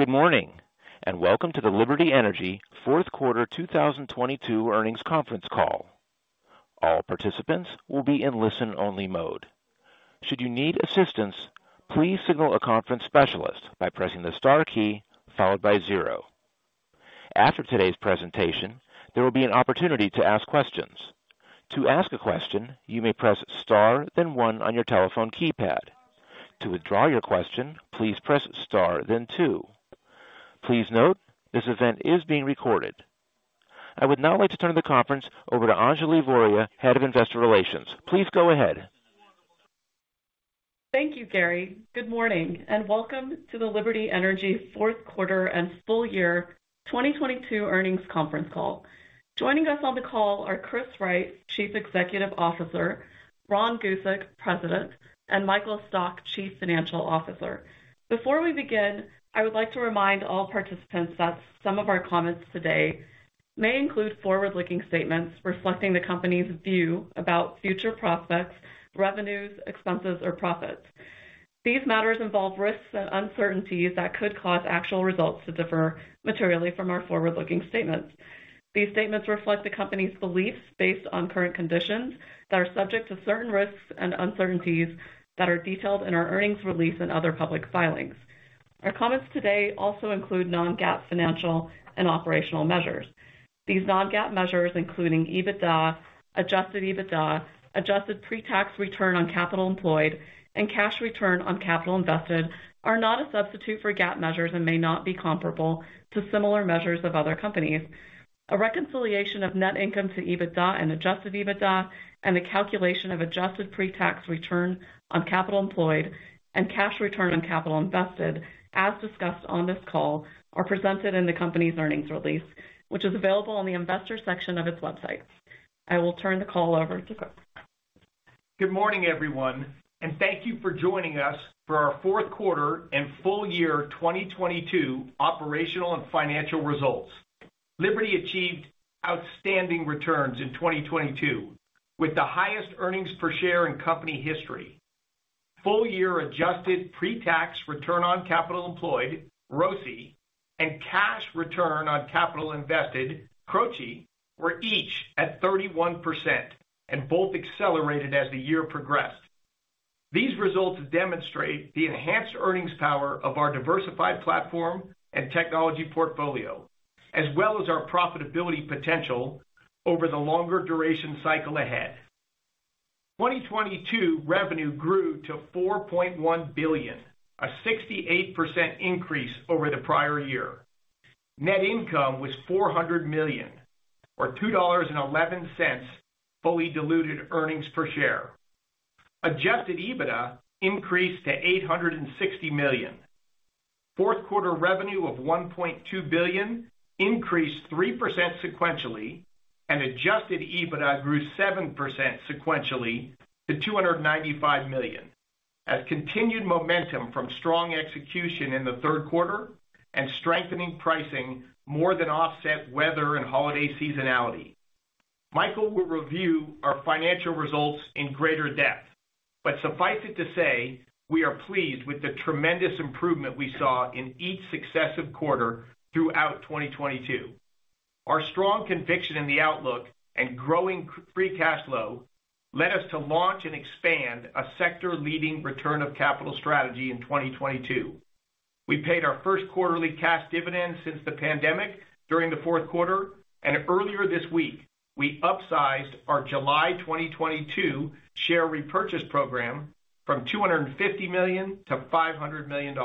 Good morning, and welcome to the Liberty Energy fourth quarter 2022 earnings conference call. All participants will be in listen-only mode. Should you need assistance, please signal a conference specialist by pressing the star key followed by zero. After today's presentation, there will be an opportunity to ask questions. To ask a question, you may press star then one on your telephone keypad. To withdraw your question, please press star then two. Please note, this event is being recorded. I would now like to turn the conference over to Anjali Voria, Head of Investor Relations. Please go ahead. Thank you, Gary. Good morning, and welcome to the Liberty Energy fourth quarter and full year 2022 earnings conference call. Joining us on the call are Chris Wright, Chief Executive Officer, Ron Gusek, President, and Michael Stock, Chief Financial Officer. Before we begin, I would like to remind all participants that some of our comments today may include forward-looking statements reflecting the company's view about future prospects, revenues, expenses, or profits. These matters involve risks and uncertainties that could cause actual results to differ materially from our forward-looking statements. These statements reflect the company's beliefs based on current conditions that are subject to certain risks and uncertainties that are detailed in our earnings release and other public filings. Our comments today also include non-GAAP financial and operational measures. These non-GAAP measures, including EBITDA, adjusted EBITDA, adjusted pre-tax return on capital employed, and cash return on capital invested, are not a substitute for GAAP measures and may not be comparable to similar measures of other companies. A reconciliation of net income to EBITDA and adjusted EBITDA and the calculation of adjusted pre-tax return on capital employed and cash return on capital invested, as discussed on this call, are presented in the company's earnings release, which is available on the investor section of its website. I will turn the call over to Chris. Good morning, everyone. Thank you for joining us for our fourth quarter and full year 2022 operational and financial results. Liberty achieved outstanding returns in 2022, with the highest earnings per share in company history. Full year adjusted pre-tax return on capital employed, ROCE, and cash return on capital invested, CROCI, were each at 31% and both accelerated as the year progressed. These results demonstrate the enhanced earnings power of our diversified platform and technology portfolio, as well as our profitability potential over the longer duration cycle ahead. 2022 revenue grew to $4.1 billion, a 68% increase over the prior year. Net income was $400 million or $2.11 fully diluted earnings per share. Adjusted EBITDA increased to $860 million. Fourth quarter revenue of $1.2 billion increased 3% sequentially. Adjusted EBITDA grew 7% sequentially to $295 million as continued momentum from strong execution in the third quarter and strengthening pricing more than offset weather and holiday seasonality. Michael will review our financial results in greater depth. Suffice it to say we are pleased with the tremendous improvement we saw in each successive quarter throughout 2022. Our strong conviction in the outlook and growing free cash flow led us to launch and expand a sector-leading return of capital strategy in 2022. We paid our first quarterly cash dividend since the pandemic during the fourth quarter. Earlier this week we upsized our July 2022 share repurchase program from $250 million to $500 million.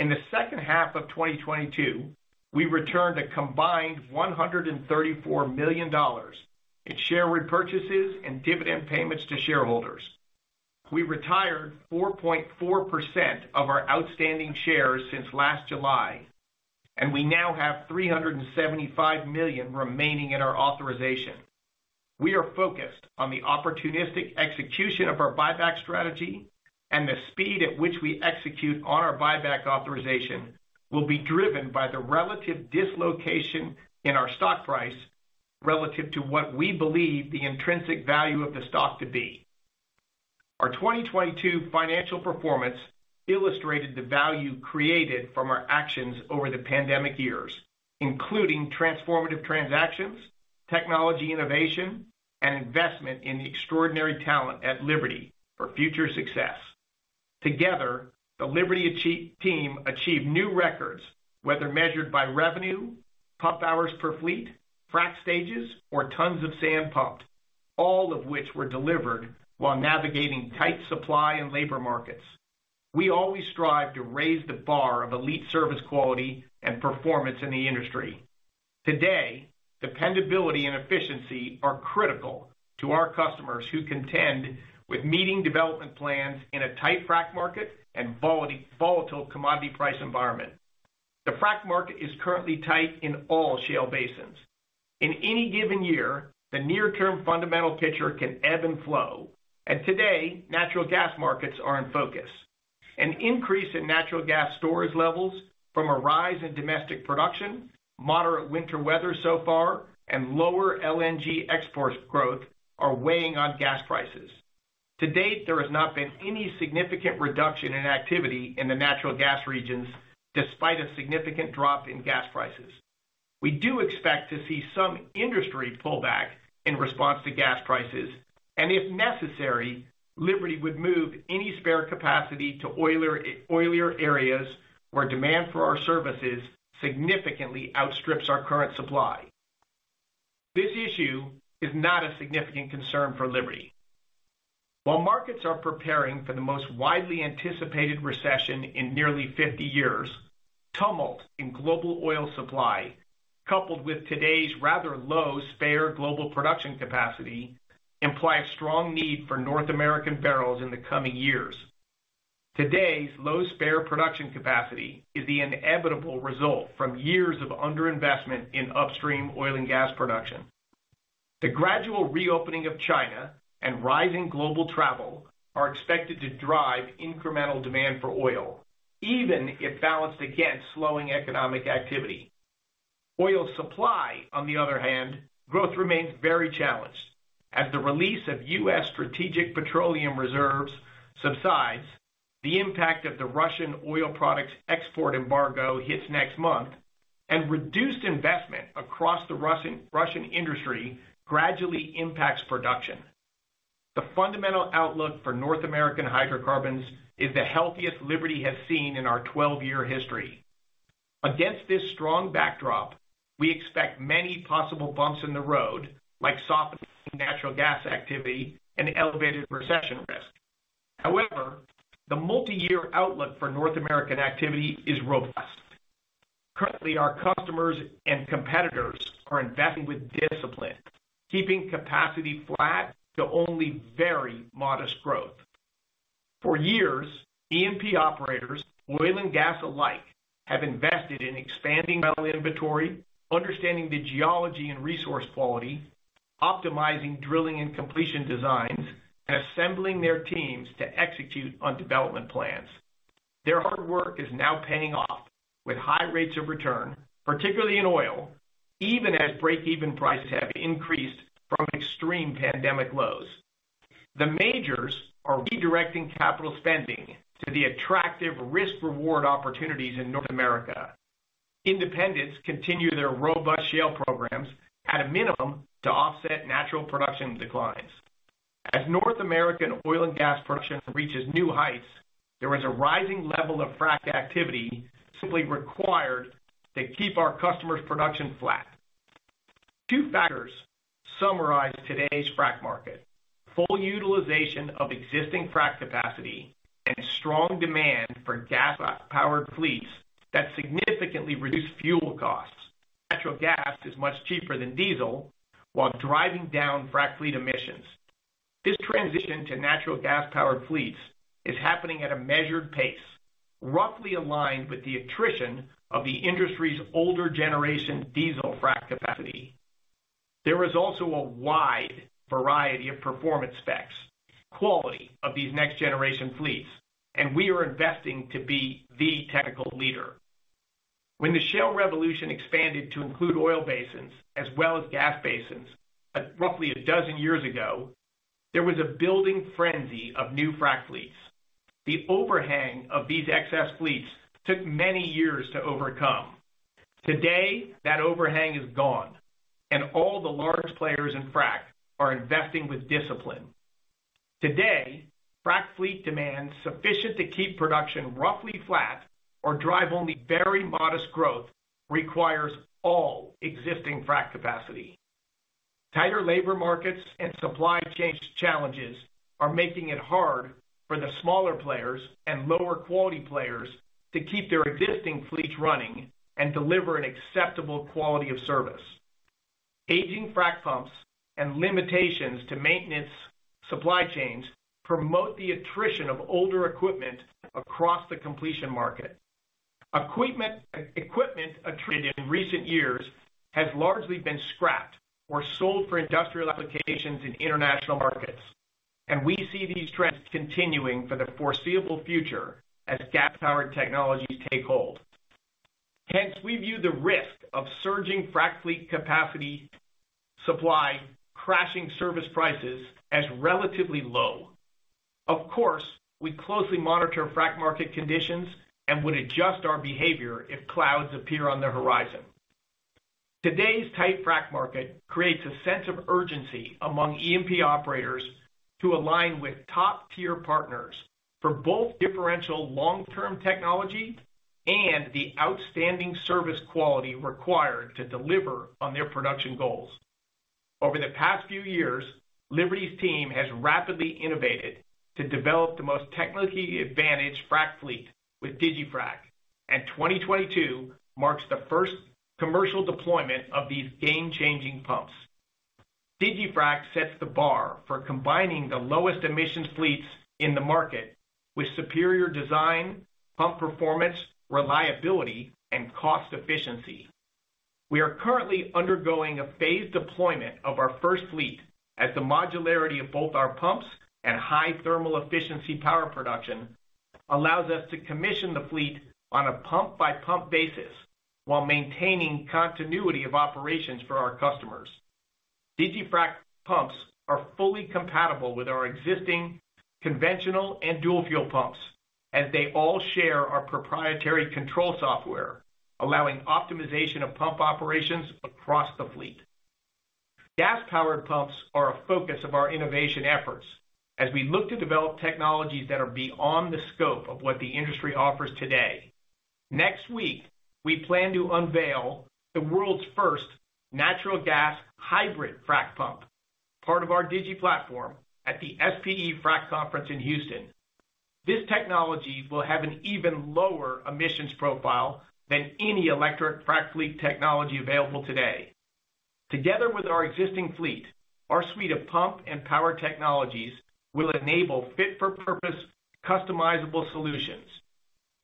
In the second half of 2022, we returned a combined $134 million in share repurchases and dividend payments to shareholders. We retired 4.4% of our outstanding shares since last July. We now have $375 million remaining in our authorization. We are focused on the opportunistic execution of our buyback strategy and the speed at which we execute on our buyback authorization will be driven by the relative dislocation in our stock price relative to what we believe the intrinsic value of the stock to be. Our 2022 financial performance illustrated the value created from our actions over the pandemic years, including transformative transactions, technology innovation, and investment in the extraordinary talent at Liberty for future success. Together, the Liberty team achieved new records, whether measured by revenue, pump hours per fleet, frack stages, or tons of sand pumped, all of which were delivered while navigating tight supply and labor markets. We always strive to raise the bar of elite service quality and performance in the industry. Today, dependability and efficiency are critical to our customers who contend with meeting development plans in a tight frack market and volatile commodity price environment. The frack market is currently tight in all shale basins. In any given year, the near term fundamental picture can ebb and flow, and today, natural gas markets are in focus. An increase in natural gas storage levels from a rise in domestic production, moderate winter weather so far, and lower LNG export growth are weighing on gas prices. To date, there has not been any significant reduction in activity in the natural gas regions despite a significant drop in gas prices. We do expect to see some industry pullback in response to gas prices, and if necessary, Liberty would move any spare capacity to oiler, oilier areas where demand for our services significantly outstrips our current supply. This issue is not a significant concern for Liberty. While markets are preparing for the most widely anticipated recession in nearly 50 years, tumult in global oil supply, coupled with today's rather low spare global production capacity, imply a strong need for North American barrels in the coming years. Today's low spare production capacity is the inevitable result from years of under-investment in upstream oil and gas production. The gradual reopening of China and rising global travel are expected to drive incremental demand for oil, even if balanced against slowing economic activity. Oil supply, on the other hand, growth remains very challenged. As the release of U.S. strategic petroleum reserves subsides, the impact of the Russian oil products export embargo hits next month, and reduced investment across the Russian industry gradually impacts production. The fundamental outlook for North American hydrocarbons is the healthiest Liberty has seen in our 12-year history. Against this strong backdrop, we expect many possible bumps in the road, like softening natural gas activity and elevated recession risk. The multi-year outlook for North American activity is robust. Currently, our customers and competitors are investing with discipline, keeping capacity flat to only very modest growth. For years, E&P operators, oil and gas alike, have invested in expanding well inventory, understanding the geology and resource quality, optimizing drilling and completion designs, and assembling their teams to execute on development plans. Their hard work is now paying off with high rates of return, particularly in oil, even as break-even prices have increased from extreme pandemic lows. The majors are redirecting capital spending to the attractive risk-reward opportunities in North America. Independents continue their robust shale programs at a minimum to offset natural production declines. As North American oil and gas production reaches new heights, there is a rising level of frac activity simply required to keep our customers' production flat. Two factors summarize today's frac market: full utilization of existing frac capacity and strong demand for gas-powered fleets that significantly reduce fuel costs. Natural gas is much cheaper than diesel while driving down frac fleet emissions. This transition to natural gas-powered fleets is happening at a measured pace, roughly aligned with the attrition of the industry's older generation diesel frac capacity. There is also a wide variety of performance specs, quality of these next generation fleets, and we are investing to be the technical leader. When the shale revolution expanded to include oil basins as well as gas basins, roughly 12 years ago, there was a building frenzy of new frac fleets. The overhang of these excess fleets took many years to overcome. Today, that overhang is gone and all the large players in frac are investing with discipline. Today, frac fleet demand sufficient to keep production roughly flat or drive only very modest growth requires all existing frac capacity. Tighter labor markets and supply chains challenges are making it hard for the smaller players and lower quality players to keep their existing fleets running and deliver an acceptable quality of service. Aging frac pumps and limitations to maintenance supply chains promote the attrition of older equipment across the completion market. Equipment attrited in recent years has largely been scrapped or sold for industrial applications in international markets. We see these trends continuing for the foreseeable future as gas-powered technologies take hold. Hence, we view the risk of surging frac fleet capacity supply crashing service prices as relatively low. Of course, we closely monitor frac market conditions and would adjust our behavior if clouds appear on the horizon. Today's tight frac market creates a sense of urgency among E&P operators to align with top-tier partners for both differential long-term technology and the outstanding service quality required to deliver on their production goals. Over the past few years, Liberty's team has rapidly innovated to develop the most technically advantaged frac fleet with DigiFrac, and 2022 marks the first commercial deployment of these game-changing pumps. DigiFrac sets the bar for combining the lowest emissions fleets in the market with superior design, pump performance, reliability, and cost efficiency. We are currently undergoing a phased deployment of our first fleet as the modularity of both our pumps and high thermal efficiency power production allows us to commission the fleet on a pump-by-pump basis while maintaining continuity of operations for our customers. digiFrac pumps are fully compatible with our existing conventional and dual-fuel pumps, as they all share our proprietary control software, allowing optimization of pump operations across the fleet. Gas-powered pumps are a focus of our innovation efforts as we look to develop technologies that are beyond the scope of what the industry offers today. Next week, we plan to unveil the world's first natural gas hybrid frac pump, part of our digi platform at the SPE Frac Conference in Houston. This technology will have an even lower emissions profile than any electric frac fleet technology available today. Together with our existing fleet, our suite of pump and power technologies will enable fit-for-purpose customizable solutions.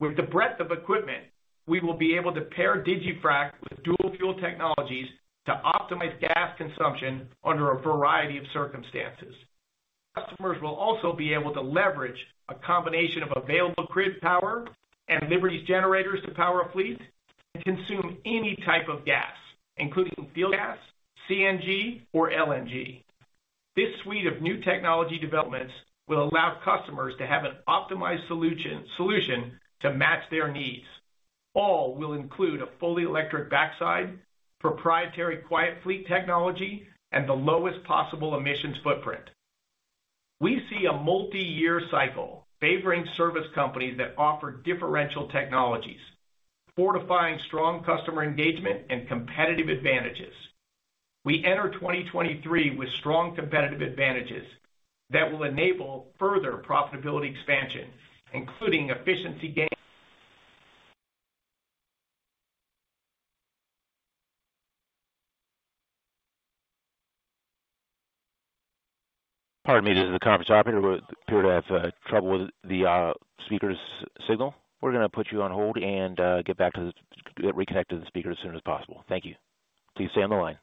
With the breadth of equipment, we will be able to pair digiFrac with dual-fuel technologies to optimize gas consumption under a variety of circumstances. Customers will also be able to leverage a combination of available grid power and Liberty's generators to power a fleet and consume any type of gas, including field gas, CNG, or LNG. This suite of new technology developments will allow customers to have an optimized solution to match their needs. All will include a fully electric backside, proprietary Quiet Fleet technology, and the lowest possible emissions footprint. We see a multi-year cycle favoring service companies that offer differential technologies, fortifying strong customer engagement and competitive advantages. We enter 2023 with strong competitive advantages that will enable further profitability expansion, including efficiency gain. Pardon me. This is the conference operator. We appear to have trouble with the speaker's signal. We're gonna put you on hold and get back to the reconnect to the speaker as soon as possible. Thank you. Please stay on the line.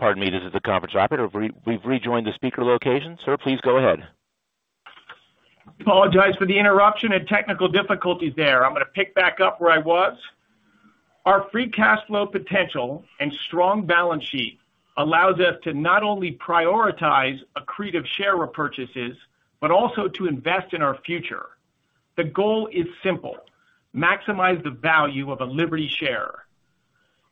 Pardon me. This is the conference operator. We've rejoined the speaker location. Sir, please go ahead. Apologize for the interruption and technical difficulties there. I'm gonna pick back up where I was. Our free cash flow potential and strong balance sheet allows us to not only prioritize accretive share repurchases, but also to invest in our future. The goal is simple: maximize the value of a Liberty share.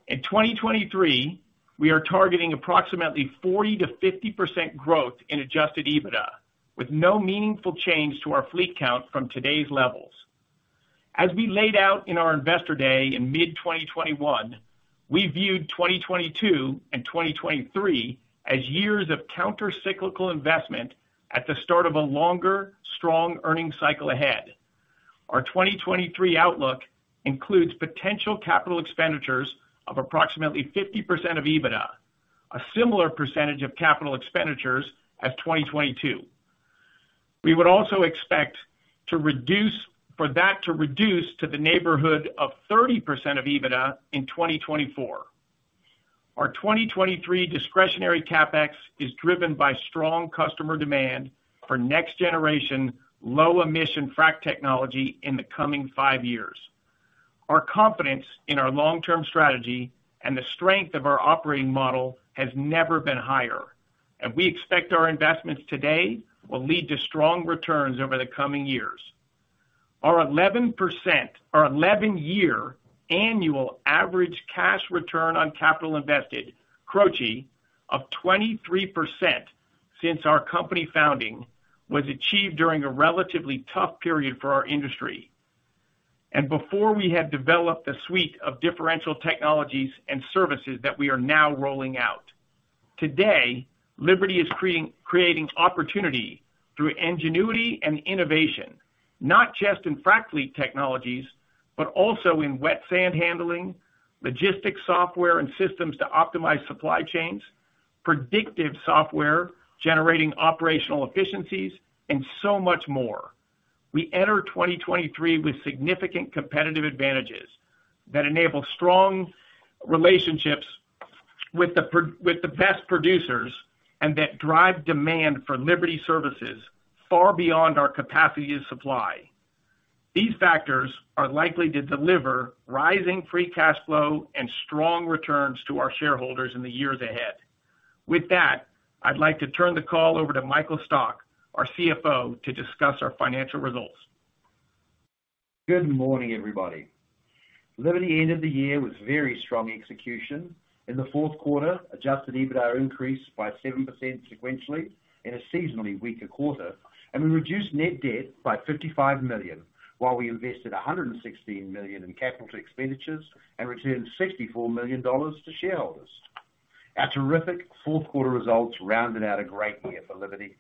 In 2023, we are targeting approximately 40%-50% growth in adjusted EBITDA, with no meaningful change to our fleet count from today's levels. As we laid out in our Investor Day in mid-2021, we viewed 2022 and 2023 as years of counter-cyclical investment at the start of a longer, strong earnings cycle ahead. Our 2023 outlook includes potential capital expenditures of approximately 50% of EBITDA, a similar percentage of capital expenditures as 2022. We would also expect for that to reduce to the neighborhood of 30% of EBITDA in 2024. Our 2023 discretionary CapEx is driven by strong customer demand for next-generation low emission frac technology in the coming five years. Our confidence in our long-term strategy and the strength of our operating model has never been higher, we expect our investments today will lead to strong returns over the coming years. Our 11-year annual average cash return on capital invested, CROCI, of 23% since our company founding was achieved during a relatively tough period for our industry, and before we had developed a suite of differential technologies and services that we are now rolling out. Today, Liberty is creating opportunity through ingenuity and innovation, not just in frac fleet technologies, but also in wet sand handling, logistics software and systems to optimize supply chains, predictive software generating operational efficiencies, and so much more. We enter 2023 with significant competitive advantages that enable strong relationships with the best producers and that drive demand for Liberty Services far beyond our capacity to supply. These factors are likely to deliver rising free cash flow and strong returns to our shareholders in the years ahead. With that, I'd like to turn the call over to Michael Stock, our CFO, to discuss our financial results. Good morning, everybody. Liberty ended the year with very strong execution. In the fourth quarter, adjusted EBITDA increased by 7% sequentially in a seasonally weaker quarter, and we reduced net debt by $55 million, while we invested $116 million in capital expenditures and returned $64 million to shareholders. Our terrific fourth quarter results rounded out a great year for Liberty.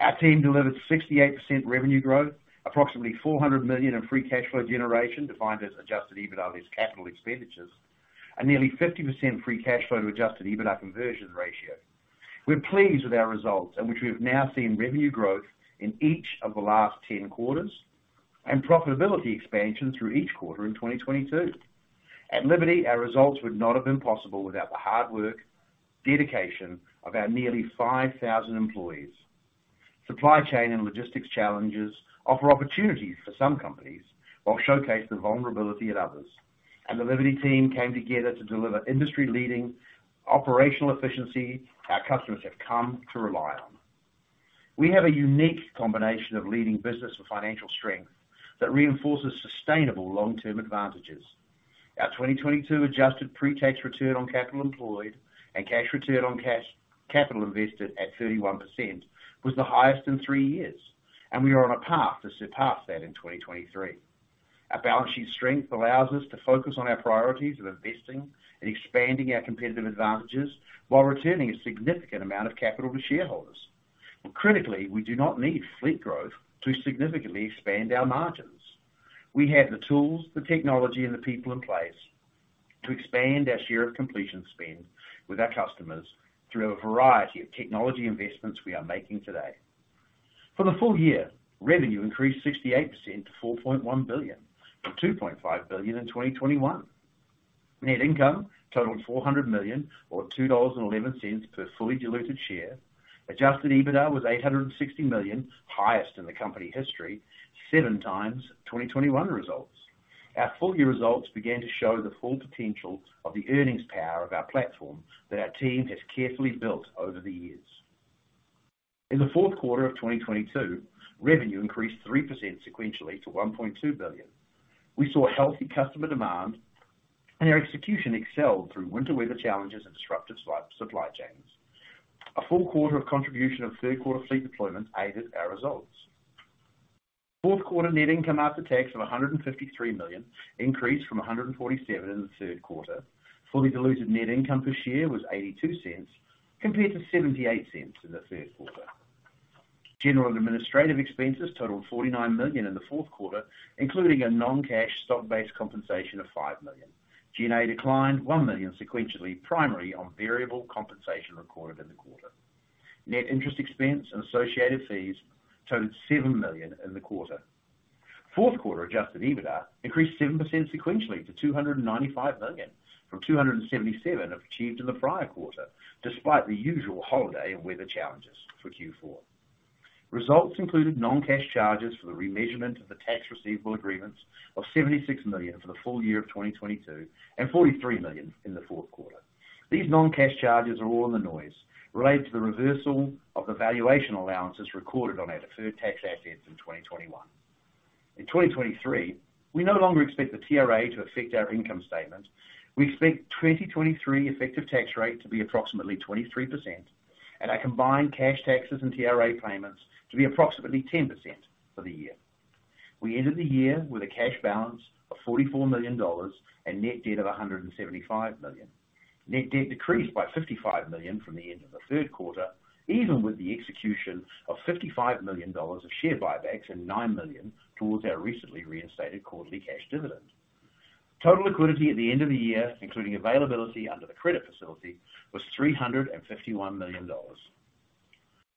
Our team delivered 68% revenue growth, approximately $400 million in free cash flow generation, defined as adjusted EBITDA less capital expenditures, and nearly 50% free cash flow to adjusted EBITDA conversion ratio. We're pleased with our results in which we have now seen revenue growth in each of the last 10 quarters and profitability expansion through each quarter in 2022. At Liberty, our results would not have been possible without the hard work, dedication of our nearly 5,000 employees. Supply chain and logistics challenges offer opportunities for some companies while showcase the vulnerability at others. The Liberty team came together to deliver industry-leading operational efficiency our customers have come to rely on. We have a unique combination of leading business and financial strength that reinforces sustainable long-term advantages. Our 2022 adjusted pre-tax return on capital employed and cash return on cash, capital invested at 31% was the highest in three years, and we are on a path to surpass that in 2023. Our balance sheet strength allows us to focus on our priorities of investing and expanding our competitive advantages while returning a significant amount of capital to shareholders. Critically, we do not need fleet growth to significantly expand our margins. We have the tools, the technology, and the people in place to expand our share of completion spend with our customers through a variety of technology investments we are making today. For the full year, revenue increased 68% to $4.1 billion from $2.5 billion in 2021. Net income totaled $400 million or $2.11 per fully diluted share. Adjusted EBITDA was $860 million, highest in the company history, seven times 2021 results. Our full year results began to show the full potential of the earnings power of our platform that our team has carefully built over the years. In the fourth quarter of 2022, revenue increased 3% sequentially to $1.2 billion. We saw healthy customer demand and our execution excelled through winter weather challenges and disruptive supply chains. A full quarter of contribution of third quarter fleet deployments aided our results. Fourth quarter net income after tax of $153 million increased from $147 million in the third quarter. Fully diluted net income per share was $0.82 compared to $0.78 in the third quarter. General and administrative expenses totaled $49 million in the fourth quarter, including a non-cash stock-based compensation of $5 million. G&A declined $1 million sequentially, primary on variable compensation recorded in the quarter. Net interest expense and associated fees totaled $7 million in the quarter. Fourth quarter adjusted EBITDA increased 7% sequentially to $295 million from $277 million achieved in the prior quarter, despite the usual holiday and weather challenges for Q4. Results included non-cash charges for the remeasurement of the Tax Receivable Agreement of $76 million for the full year of 2022 and $43 million in the fourth quarter. These non-cash charges are all in the noise related to the reversal of the valuation allowances recorded on our deferred tax assets in 2021. In 2023, we no longer expect the TRA to affect our income statement. We expect 2023 effective tax rate to be approximately 23% and our combined cash taxes and TRA payments to be approximately 10% for the year. We ended the year with a cash balance of $44 million and net debt of $175 million. Net debt decreased by $55 million from the end of the third quarter, even with the execution of $55 million of share buybacks and $9 million towards our recently reinstated quarterly cash dividend. Total liquidity at the end of the year, including availability under the credit facility, was $351 million.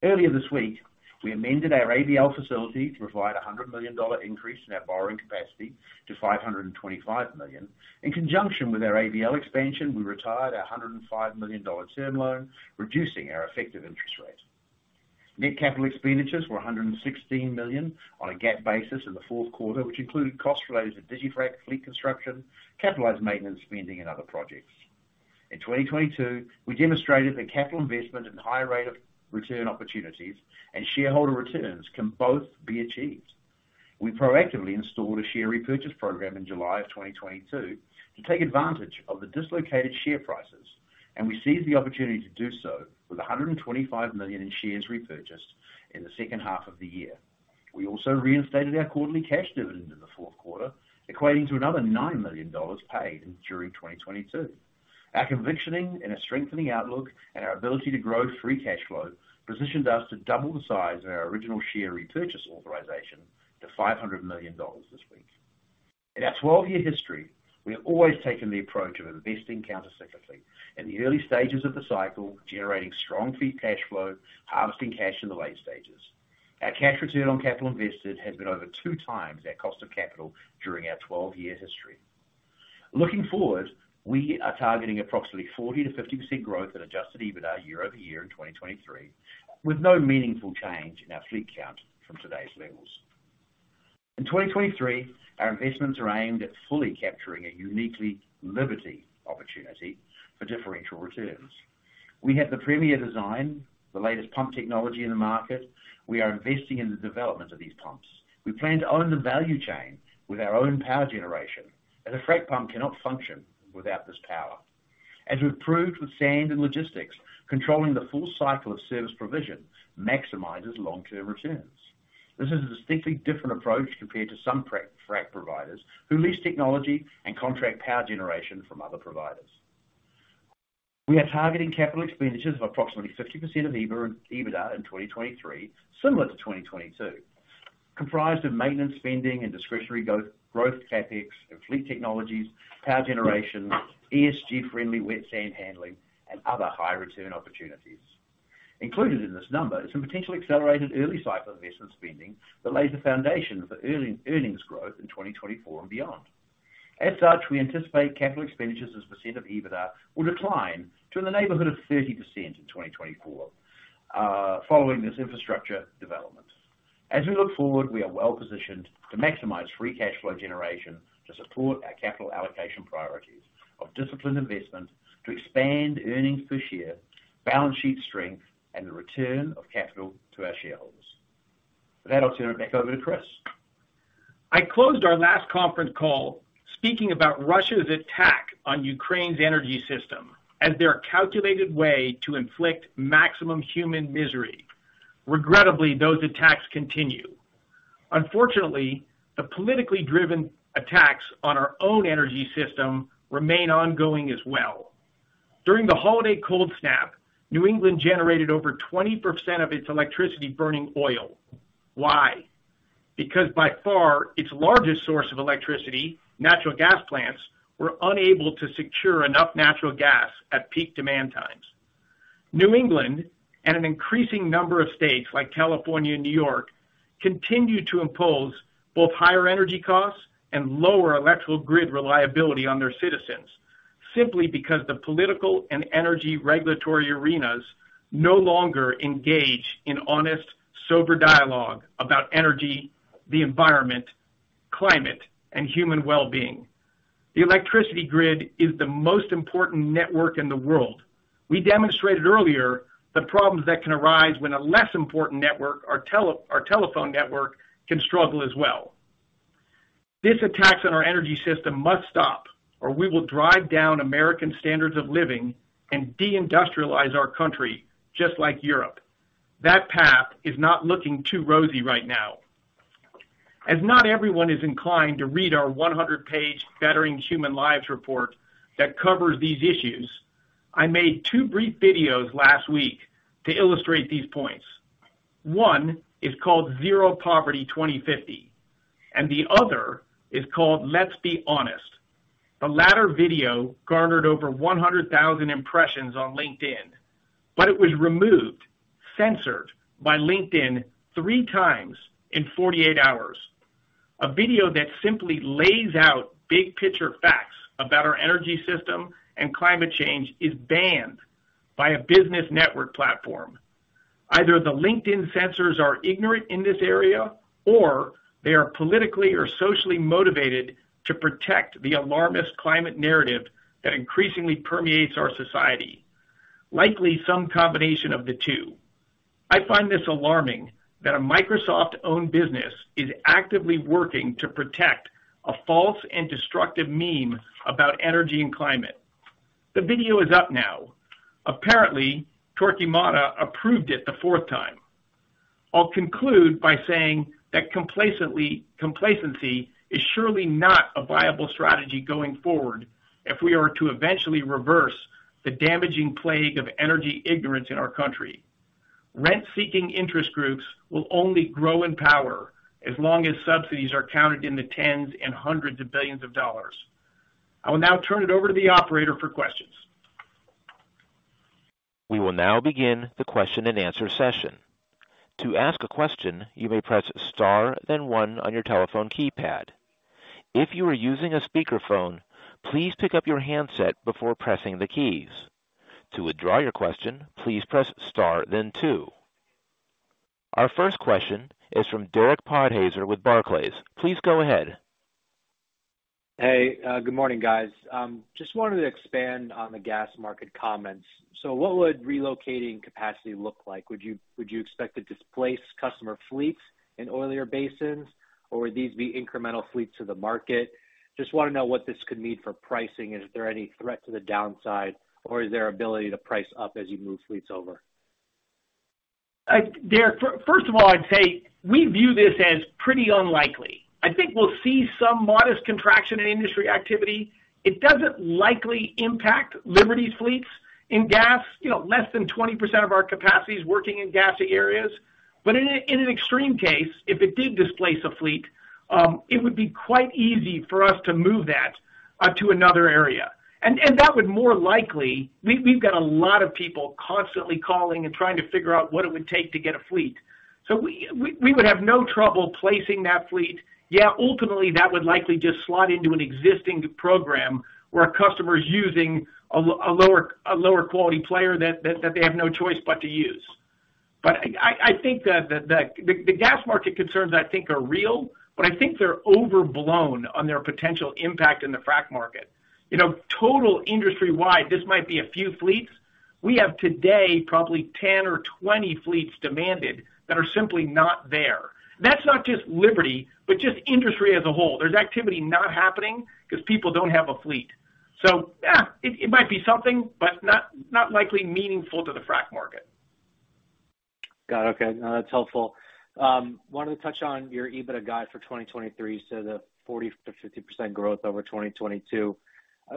Earlier this week, we amended our ABL facility to provide a $100 million increase in our borrowing capacity to $525 million. In conjunction with our ABL expansion, we retired a $105 million term loan, reducing our effective interest rate. Net capital expenditures were $116 million on a GAAP basis in the fourth quarter, which included costs related to digiFrac fleet construction, capitalized maintenance spending, and other projects. In 2022, we demonstrated that capital investment and high rate of return opportunities and shareholder returns can both be achieved. We proactively installed a share repurchase program in July of 2022 to take advantage of the dislocated share prices. We seized the opportunity to do so with $125 million in shares repurchased in the second half of the year. We also reinstated our quarterly cash dividend in the fourth quarter, equating to another $9 million paid during 2022. Our conviction in a strengthening outlook and our ability to grow free cash flow positioned us to double the size of our original share repurchase authorization to $500 million this week. In our 12-year history, we have always taken the approach of investing countercyclically in the early stages of the cycle, generating strong free cash flow, harvesting cash in the late stages. Our cash return on capital invested has been over two times our cost of capital during our 12-year history. Looking forward, we are targeting approximately 40%-50% growth in adjusted EBITDA year-over-year in 2023, with no meaningful change in our fleet count from today's levels. In 2023, our investments are aimed at fully capturing a uniquely Liberty opportunity for differential returns. We have the premier design, the latest pump technology in the market. We are investing in the development of these pumps. We plan to own the value chain with our own power generation, as a frac pump cannot function without this power. As we've proved with sand and logistics, controlling the full cycle of service provision maximizes long-term returns. This is a distinctly different approach compared to some frac providers who lease technology and contract power generation from other providers. We are targeting capital expenditures of approximately 50% of EBITDA in 2023, similar to 2022, comprised of maintenance spending and discretionary growth CapEx in fleet technologies, power generation, ESG-friendly wet sand handling, and other high return opportunities. Included in this number is some potential accelerated early cycle investment spending that lays the foundation for earnings growth in 2024 and beyond. As such, we anticipate capital expenditures as a percent of EBITDA will decline to in the neighborhood of 30% in 2024, following this infrastructure development. As we look forward, we are well-positioned to maximize free cash flow generation to support our capital allocation priorities of disciplined investment to expand earnings per share, balance sheet strength, and the return of capital to our shareholders. With that, I'll turn it back over to Chris. I closed our last conference call speaking about Russia's attack on Ukraine's energy system as their calculated way to inflict maximum human misery. Regrettably, those attacks continue. Unfortunately, the politically driven attacks on our own energy system remain ongoing as well. During the holiday cold snap, New England generated over 20% of its electricity burning oil. Why? Because by far, its largest source of electricity, natural gas plants, were unable to secure enough natural gas at peak demand times. New England and an increasing number of states, like California and New York, continue to impose both higher energy costs and lower electrical grid reliability on their citizens simply because the political and energy regulatory arenas no longer engage in honest, sober dialogue about energy, the environment, climate, and human wellbeing. The electricity grid is the most important network in the world. We demonstrated earlier the problems that can arise when a less important network, our telephone network, can struggle as well. These attacks on our energy system must stop, or we will drive down American standards of living and de-industrialize our country just like Europe. That path is not looking too rosy right now. Not everyone is inclined to read our 100-page Bettering Human Lives report that covers these issues, I made two brief videos last week to illustrate these points. One is called Zero Poverty 2050, and the other is called Let's Be Honest. The latter video garnered over 100,000 impressions on LinkedIn, but it was removed, censored by LinkedIn 3 times in 48 hours. A video that simply lays out big picture facts about our energy system and climate change is banned by a business network platform. Either the LinkedIn censors are ignorant in this area, or they are politically or socially motivated to protect the alarmist climate narrative that increasingly permeates our society. Likely some combination of the two. I find this alarming that a Microsoft-owned business is actively working to protect a false and destructive meme about energy and climate. The video is up now. Apparently, Torquemada approved it the fourth time. I'll conclude by saying that complacency is surely not a viable strategy going forward if we are to eventually reverse the damaging plague of energy ignorance in our country. Rent seeking interest groups will only grow in power as long as subsidies are counted in the tens and hundreds of billions of dollars. I will now turn it over to the operator for questions. We will now begin the question and answer session. To ask a question, you may press star then one on your telephone keypad. If you are using a speakerphone, please pick up your handset before pressing the keys. To withdraw your question, please press star then two. Our first question is from Derek Podhaizer with Barclays. Please go ahead. Hey, good morning, guys. Just wanted to expand on the gas market comments. What would relocating capacity look like? Would you expect to displace customer fleets in oilier basins, or would these be incremental fleets to the market? Just wanna know what this could mean for pricing. Is there any threat to the downside, or is there ability to price up as you move fleets over? Derek, first of all, I'd say we view this as pretty unlikely. I think we'll see some modest contraction in industry activity. It doesn't likely impact Liberty's fleets in gas. You know, less than 20% of our capacity is working in gassy areas. In an extreme case, if it did displace a fleet, it would be quite easy for us to move that to another area. That would more likely. We've got a lot of people constantly calling and trying to figure out what it would take to get a fleet. We would have no trouble placing that fleet. Yeah, ultimately, that would likely just slot into an existing program where a customer is using a lower quality player that they have no choice but to use. I think that the gas market concerns I think are real, but I think they're overblown on their potential impact in the frack market. You know, total industry wide, this might be a few fleets. We have today probably 10 or 20 fleets demanded that are simply not there. That's not just Liberty, but just industry as a whole. There's activity not happening because people don't have a fleet. Yeah, it might be something, but not likely meaningful to the frack market. Got it. Okay. No, that's helpful. Wanted to touch on your EBITDA guide for 2023, so the 40%-50% growth over 2022.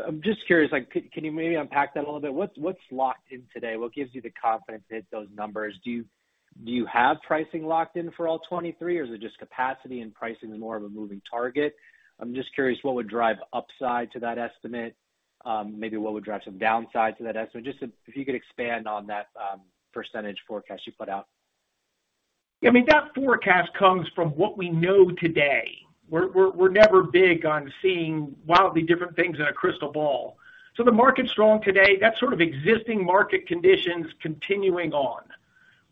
I'm just curious, like, can you maybe unpack that a little bit? What's locked in today? What gives you the confidence to hit those numbers? Do you have pricing locked in for all 2023, or is it just capacity and pricing is more of a moving target? I'm just curious what would drive upside to that estimate. Maybe what would drive some downside to that estimate. Just if you could expand on that percentage forecast you put out. I mean, that forecast comes from what we know today. We're never big on seeing wildly different things in a crystal ball. The market's strong today. That's sort of existing market conditions continuing on.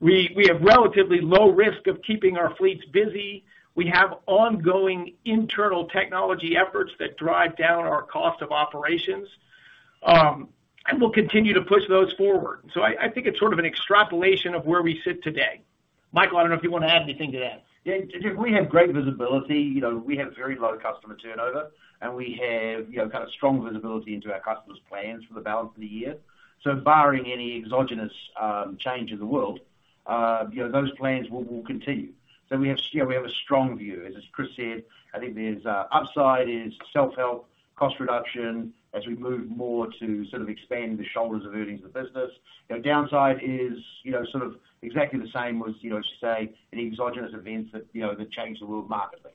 We have relatively low risk of keeping our fleets busy. We have ongoing internal technology efforts that drive down our cost of operations. And we'll continue to push those forward. I think it's sort of an extrapolation of where we sit today. Michael, I don't know if you want to add anything to that. Yeah. Derek, we have great visibility. You know, we have very low customer turnover, and we have, you know, kind of strong visibility into our customers' plans for the balance of the year. Barring any exogenous change in the world, you know, those plans will continue. We have, you know, we have a strong view. As Chris said, I think there's upside in self-help, cost reduction as we move more to sort of expand the shoulders of earnings of the business. You know, downside is, you know, sort of exactly the same was, you know, as you say, any exogenous events that, you know, that change the world markedly.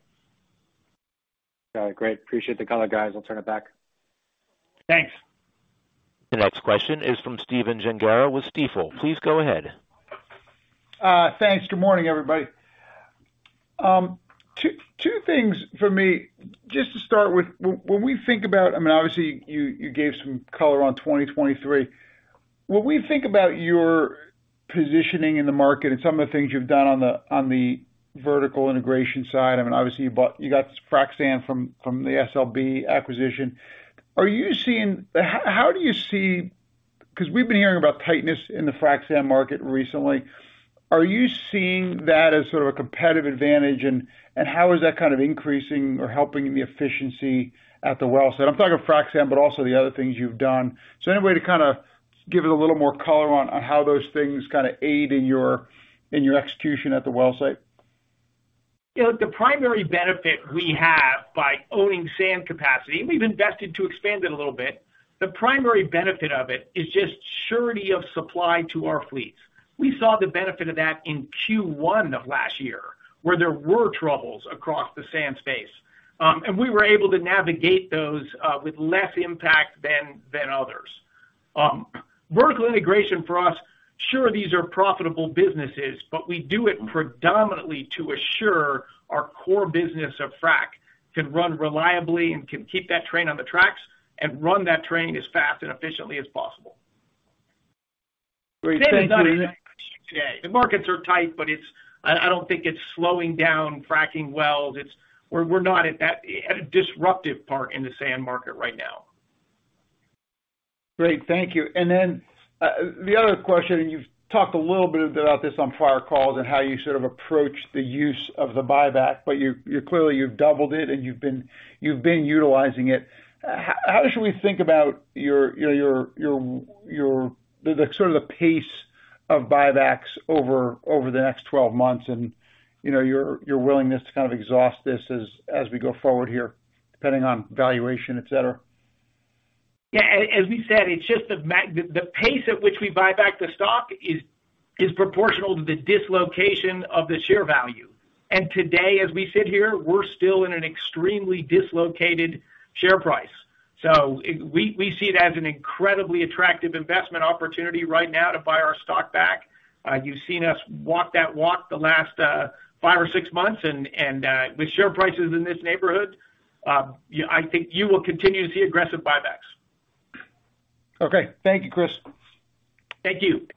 Got it. Great. Appreciate the color, guys. I'll turn it back. Thanks. The next question is from Stephen Gengaro with Stifel. Please go ahead. Thanks. Good morning, everybody. Two things for me. Just to start with, when we think about... I mean, obviously you gave some color on 2023. When we think about your positioning in the market and some of the things you've done on the vertical integration side, I mean, obviously you got frac sand from the SLB acquisition. Are you seeing. How do you see. 'Cause we've been hearing about tightness in the frac sand market recently. Are you seeing that as sort of a competitive advantage? How is that kind of increasing or helping the efficiency at the well site? I'm talking of frac sand, but also the other things you've done. Any way to kind of give it a little more color on how those things kind of aid in your, in your execution at the well site? You know, the primary benefit we have by owning sand capacity, and we've invested to expand it a little bit, the primary benefit of it is just surety of supply to our fleets. We saw the benefit of that in Q1 of last year, where there were troubles across the sand space. We were able to navigate those with less impact than others. Vertical integration for us, sure these are profitable businesses, but we do it predominantly to assure our core business of frack can run reliably and can keep that train on the tracks and run that train as fast and efficiently as possible. Great. Thank you. The markets are tight, I don't think it's slowing down fracking wells. We're not at a disruptive part in the sand market right now. Great. Thank you. The other question, you've talked a little bit about this on prior calls and how you sort of approach the use of the buyback, but you're clearly you've doubled it and you've been utilizing it. How should we think about your, you know, your... The sort of the pace of buybacks over the next 12 months and, you know, your willingness to kind of exhaust this as we go forward here, depending on valuation, et cetera? Yeah, as we said, it's just the pace at which we buy back the stock is proportional to the dislocation of the share value. Today, as we sit here, we're still in an extremely dislocated share price. We see it as an incredibly attractive investment opportunity right now to buy our stock back. You've seen us walk that walk the last five or six months, and with share prices in this neighborhood, I think you will continue to see aggressive buybacks. Okay. Thank you, Chris. Thank you.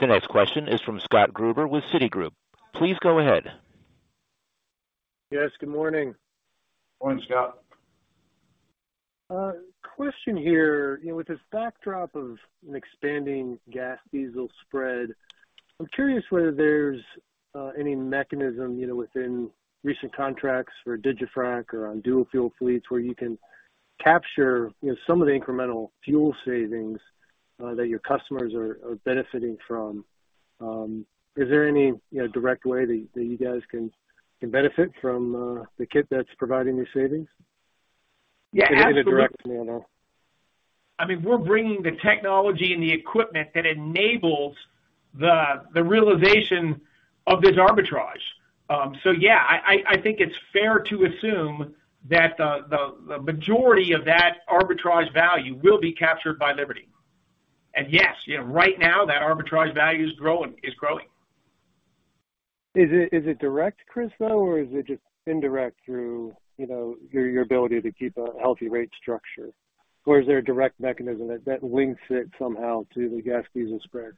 The next question is from Scott Gruber with Citigroup. Please go ahead. Yes, good morning. Morning, Scott. Question here. You know, with this backdrop of an expanding gas diesel spread, I'm curious whether there's any mechanism, you know, within recent contracts for digiFrac or on dual-fuel fleets where you can capture, you know, some of the incremental fuel savings that your customers are benefiting from. Is there any, you know, direct way that you guys can benefit from the kit that's providing these savings? Yeah, absolutely. In a direct manner. I mean, we're bringing the technology and the equipment that enables the realization of this arbitrage. Yeah, I think it's fair to assume that the majority of that arbitrage value will be captured by Liberty. Yes, you know, right now that arbitrage value is growing. Is it, is it direct, Chris, though? Or is it just indirect through, you know, your ability to keep a healthy rate structure? Or is there a direct mechanism that links it somehow to the gas diesel spread?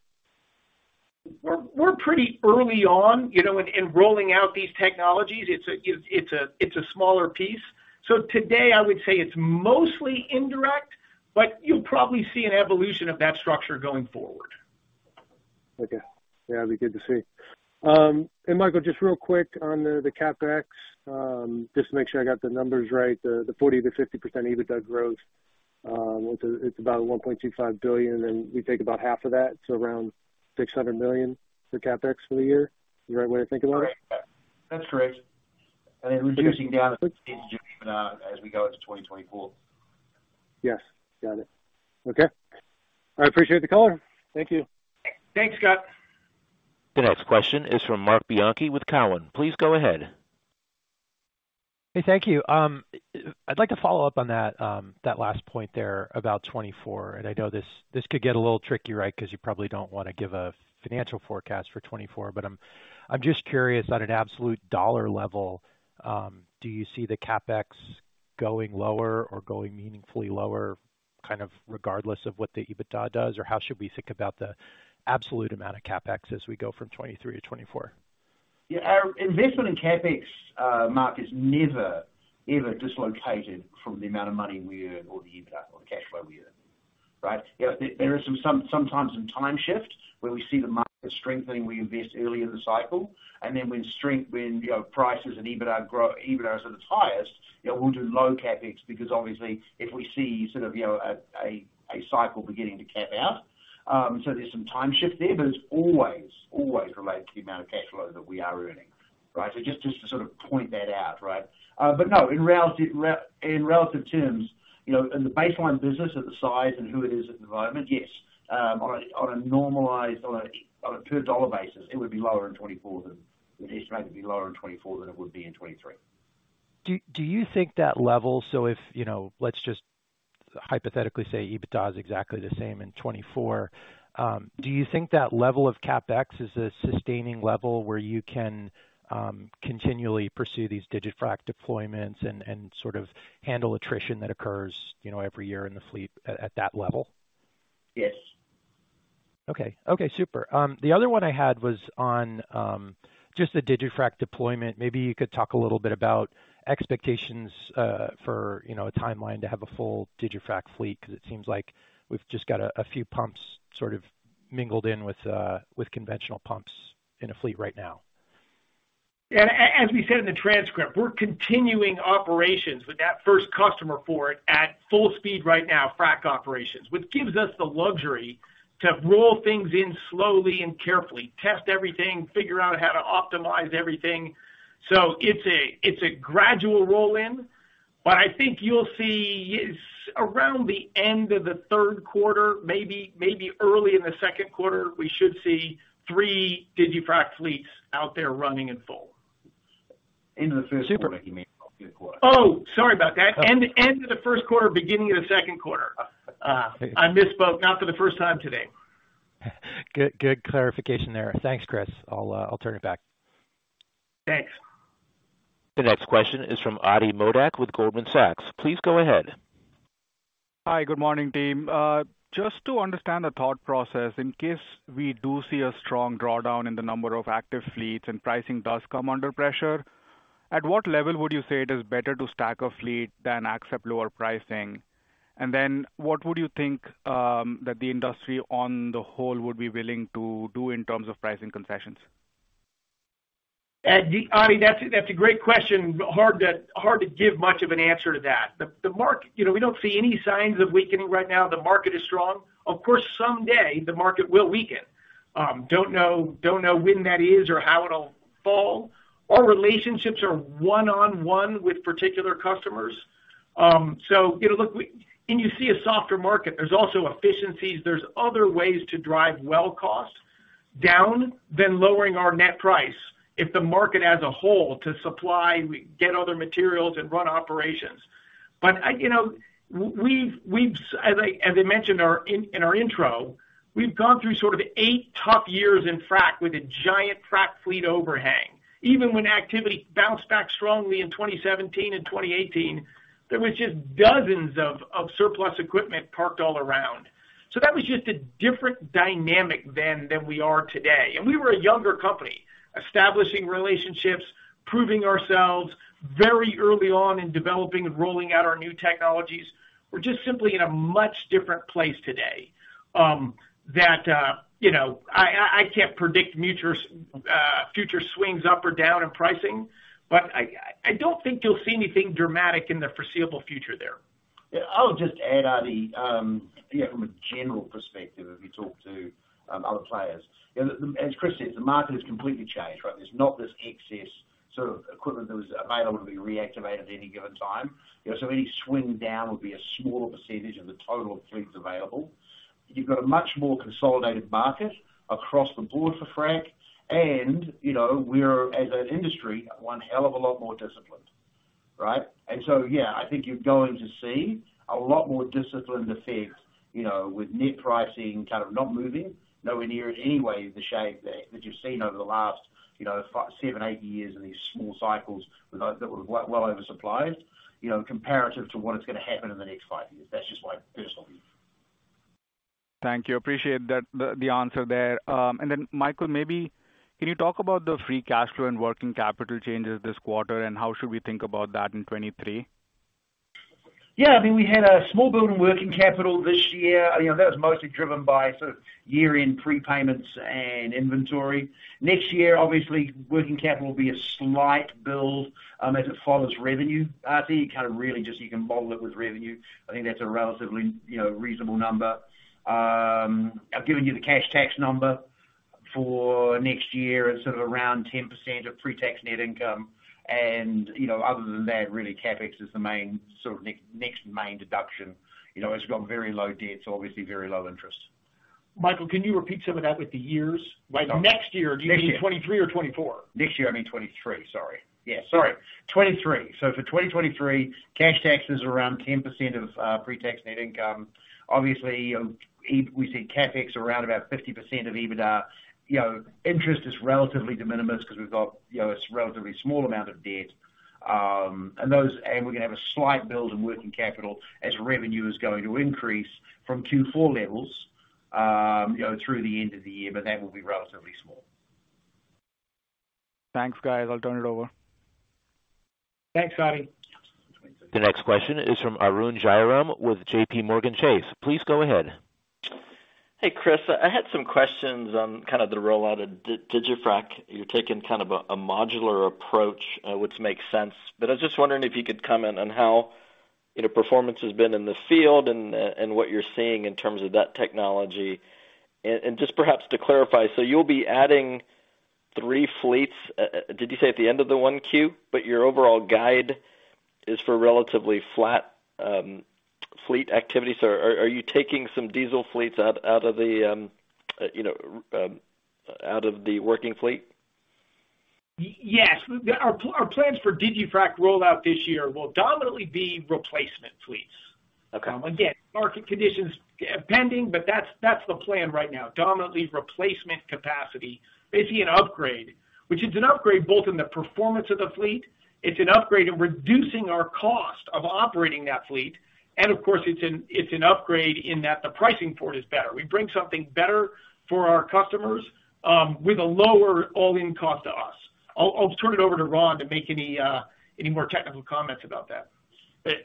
We're pretty early on, you know, in rolling out these technologies. It's a smaller piece. Today I would say it's mostly indirect, but you'll probably see an evolution of that structure going forward. Okay. Yeah, it'll be good to see. Michael, just real quick on the CapEx, just to make sure I got the numbers right. The 40%-50% EBITDA growth, it's about $1.25 billion, and we take about half of that, so around $600 million for CapEx for the year. Is the right way to think about it? That's correct. Reducing down as we go into 2024. Yes. Got it. Okay. I appreciate the color. Thank you. Thanks, Scott. The next question is from Marc Bianchi with Cowen. Please go ahead. Thank you. I'd like to follow up on that last point there about 2024. I know this could get a little tricky, right? 'Cause you probably don't wanna give a financial forecast for 2024. I'm just curious, at an absolute dollar level, do you see the CapEx going lower or going meaningfully lower, kind of regardless of what the EBITDA does? How should we think about the absolute amount of CapEx as we go from 2023 to 2024? Our investment in CapEx, Marc, is never ever dislocated from the amount of money we earn or the EBITDA or the cash flow we earn. Right? You know, there is sometimes some time shift where we see the market strengthening, we invest early in the cycle. When, you know, prices and EBITDA grow, EBITDA is at its highest, you know, we'll do low CapEx because obviously if we see sort of, you know, a cycle beginning to cap out, so there's some time shift there. It's always related to the amount of cash flow that we are earning, right? Just to sort of point that out, right? No, in relative terms, you know, in the baseline business at the size and who it is at the moment, yes, on a normalized, on a per dollar basis, it would be lower in 2024 than. We just expect it to be lower in 2024 than it would be in 2023. Do you think that level. If, you know, let's just hypothetically say EBITDA is exactly the same in 2024, do you think that level of CapEx is a sustaining level where you can continually pursue these digiFrac deployments and sort of handle attrition that occurs, you know, every year in the fleet at that level? Yes. Okay. Okay, super. The other one I had was on, just the digiFrac deployment. Maybe you could talk a little bit about expectations, for, you know, a timeline to have a full digiFrac fleet, because it seems like we've just got a few pumps sort of mingled in with conventional pumps in a fleet right now. As we said in the transcript, we're continuing operations with that first customer for it at full speed right now, frack operations, which gives us the luxury to roll things in slowly and carefully, test everything, figure out how to optimize everything. It's a gradual roll in, I think you'll see around the end of the third quarter, maybe early in the second quarter, we should see 3 digiFrac fleets out there running in full. End of the first quarter, he means. Not third quarter. Sorry about that. End of the first quarter, beginning of the second quarter. I misspoke, not for the first time today. Good, good clarification there. Thanks, Chris. I'll turn it back. Thanks. The next question is from Ati Modak with Goldman Sachs. Please go ahead. Hi, good morning, team. just to understand the thought process, in case we do see a strong drawdown in the number of active fleets and pricing does come under pressure, at what level would you say it is better to stack a fleet than accept lower pricing? What would you think, that the industry on the whole would be willing to do in terms of pricing concessions? Adi, that's a great question. Hard to give much of an answer to that. You know, we don't see any signs of weakening right now. The market is strong. Of course, someday the market will weaken. Don't know when that is or how it'll fall. Our relationships are 1-on-1 with particular customers. You know, look, and you see a softer market. There's also efficiencies, there's other ways to drive well costs down than lowering our net price if the market as a whole to supply, we get other materials and run operations. You know, as I mentioned our, in our intro, we've gone through sort of eight tough years in frack with a giant frack fleet overhang. Even when activity bounced back strongly in 2017 and 2018, there was just dozens of surplus equipment parked all around. That was just a different dynamic then than we are today. We were a younger company, establishing relationships, proving ourselves very early on in developing and rolling out our new technologies. We're just simply in a much different place today, you know, I can't predict future swings up or down in pricing, but I don't think you'll see anything dramatic in the foreseeable future there. Yeah, I'll just add on the, you know, from a general perspective, if you talk to other players. You know, as Chris said, the market has completely changed, right? There's not this excess sort of equipment that was available to be reactivated at any given time. You know, so any swing down would be a smaller percentage of the total fleet available. You've got a much more consolidated market across the board for frack and, you know, we're, as an industry, one hell of a lot more disciplined, right? Yeah, I think you're gonna see a lot more disciplined effect, you know, with net pricing kind of not moving nowhere near in any way the shape that you've seen over the last, you know, five, seven, eight years in these small cycles with those that were well oversupplied, you know, comparative to what is gonna happen in the next five years. That's just my personal view. Thank you. Appreciate that, the answer there. Then Michael, maybe can you talk about the free cash flow and working capital changes this quarter, and how should we think about that in 23? I mean, we had a small build in working capital this year. You know, that was mostly driven by sort of year-end prepayments and inventory. Next year, obviously, working capital will be a slight build, as it follows revenue. I think you kind of really just you can model it with revenue. I think that's a relatively, you know, reasonable number. I've given you the cash tax number for next year. It's sort of around 10% of pre-tax net income. Other than that, really, CapEx is the main sort of next main deduction. You know, it's got very low debts, obviously very low interest. Michael, can you repeat some of that with the years? By next year, do you mean 2023 or 2024? Next year, I mean 23. Sorry. Yeah, sorry. 23. For 2023, cash taxes are around 10% of pre-tax net income. Obviously, we see CapEx around about 50% of EBITDA. You know, interest is relatively de minimis because we've got, you know, it's relatively small amount of debt, and we're gonna have a slight build in working capital as revenue is going to increase from Q4 levels, you know, through the end of the year, that will be relatively small. Thanks, guys. I'll turn it over. Thanks, Bobby. The next question is from Arun Jayaram with J.P. Morgan Chase. Please go ahead. Hey, Chris. I had some questions on kind of the rollout of DigiFrac. You're taking kind of a modular approach, which makes sense. I was just wondering if you could comment on how, you know, performance has been in the field and what you're seeing in terms of that technology. Just perhaps to clarify, you'll be adding three fleets, did you say at the end of the 1Q? Your overall guide is for relatively flat fleet activity. Are you taking some diesel fleets out of the, you know, out of the working fleet? Yes. Our plans for digiFrac rollout this year will dominantly be replacement fleets. Okay. Again, market conditions pending, that's the plan right now, dominantly replacement capacity. Basically an upgrade, which is an upgrade both in the performance of the fleet. It's an upgrade in reducing our cost of operating that fleet. Of course, it's an upgrade in that the pricing for it is better. We bring something better for our customers, with a lower all-in cost to us. I'll turn it over to Ron to make any more technical comments about that.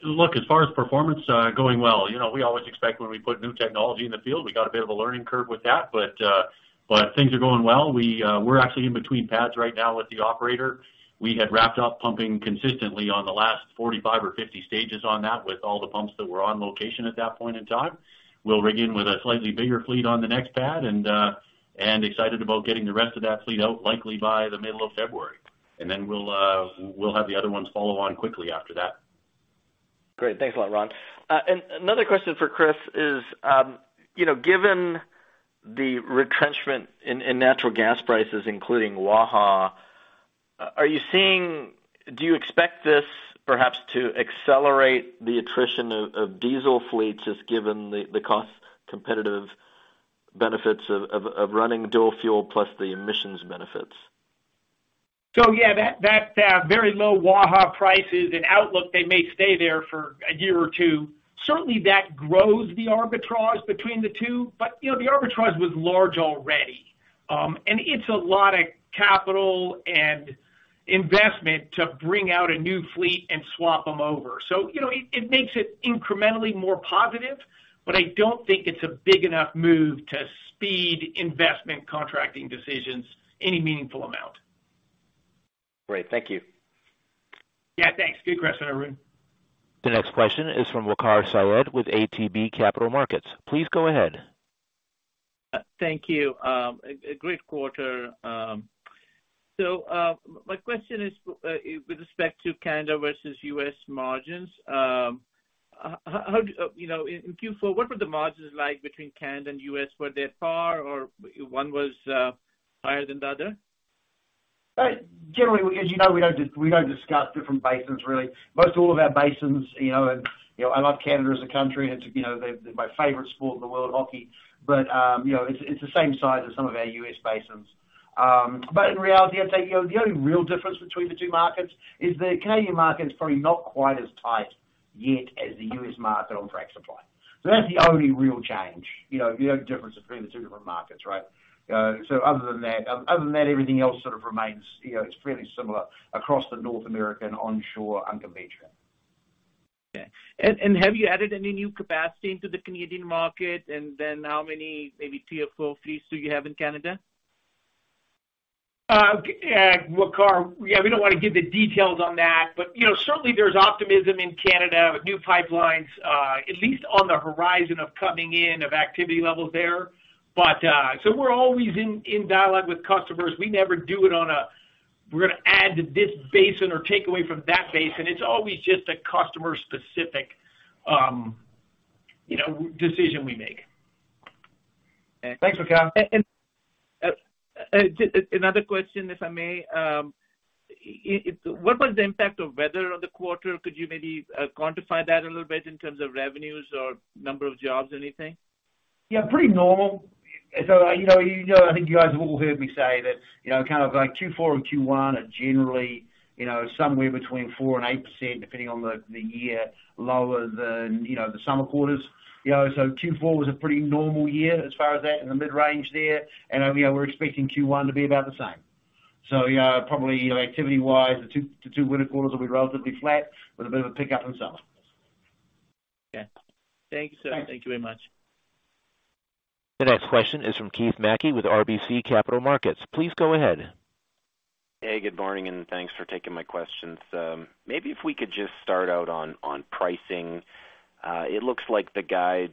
Look, as far as performance, going well. You know, we always expect when we put new technology in the field, we got a bit of a learning curve with that. Things are going well. We're actually in between pads right now with the operator. We had wrapped up pumping consistently on the last 45 or 50 stages on that with all the pumps that were on location at that point in time. We'll rig in with a slightly bigger fleet on the next pad and excited about getting the rest of that fleet out likely by the middle of February. Then we'll have the other ones follow on quickly after that. Great. Thanks a lot, Ron. Another question for Chris is, you know, given the retrenchment in natural gas prices, including Waha, do you expect this perhaps to accelerate the attrition of diesel fleets, just given the cost competitive benefits of running dual-fuel plus the emissions benefits? Yeah, that very low Waha prices and outlook, they may stay there for a year or two. Certainly, that grows the arbitrage between the two. You know, the arbitrage was large already. It's a lot of capital and investment to bring out a new fleet and swap them over. You know, it makes it incrementally more positive, but I don't think it's a big enough move to speed investment contracting decisions any meaningful amount. Great. Thank you. Yeah, thanks. Good question, Arun. The next question is from Waqar Syed with ATB Capital Markets. Please go ahead. Thank you. A great quarter. My question is with respect to Canada versus U.S. margins, how do you know, in Q4, what were the margins like between Canada and U.S.? Were they far or one was higher than the other? Generally, as you know, we don't discuss different basins, really. Most all of our basins, you know, and, you know, I love Canada as a country. It's, you know, my favorite sport in the world, hockey. It's, you know, it's the same size as some of our US basins. In reality, I'd say, you know, the only real difference between the two markets is the Canadian market is probably not quite as tight yet as the US market on frac supply. That's the only real change, you know, the only difference between the two different markets, right? Other than that, other than that, everything else sort of remains. You know, it's fairly similar across the North American onshore unconvention. Okay. Have you added any new capacity into the Canadian market? How many, maybe three or four fleets do you have in Canada? Okay, Waqar, yeah, we don't wanna give the details on that, you know, certainly there's optimism in Canada with new pipelines, at least on the horizon of coming in of activity levels there. We're always in dialogue with customers. We never do it on a, we're gonna add to this basin or take away from that basin. It's always just a customer specific, you know, decision we make. Okay. Thanks, Waqar. Another question, if I may? What was the impact of weather on the quarter? Could you maybe quantify that a little bit in terms of revenues or number of jobs or anything? Yeah, pretty normal. You know, you know, I think you guys have all heard me say that, you know, kind of like Q4 and Q1 are generally, you know, somewhere between 4%-8% depending on the year lower than, you know, the summer quarters. Q4 was a pretty normal year as far as that in the mid-range there. You know, we're expecting Q1 to be about the same. You know, probably, you know, activity wise, the two winter quarters will be relatively flat with a bit of a pickup in summer. Okay. Thank you, sir. Thanks. Thank you very much. The next question is from Keith MacKay with RBC Capital Markets. Please go ahead. Hey, good morning, and thanks for taking my questions. Maybe if we could just start out on pricing. It looks like the guide,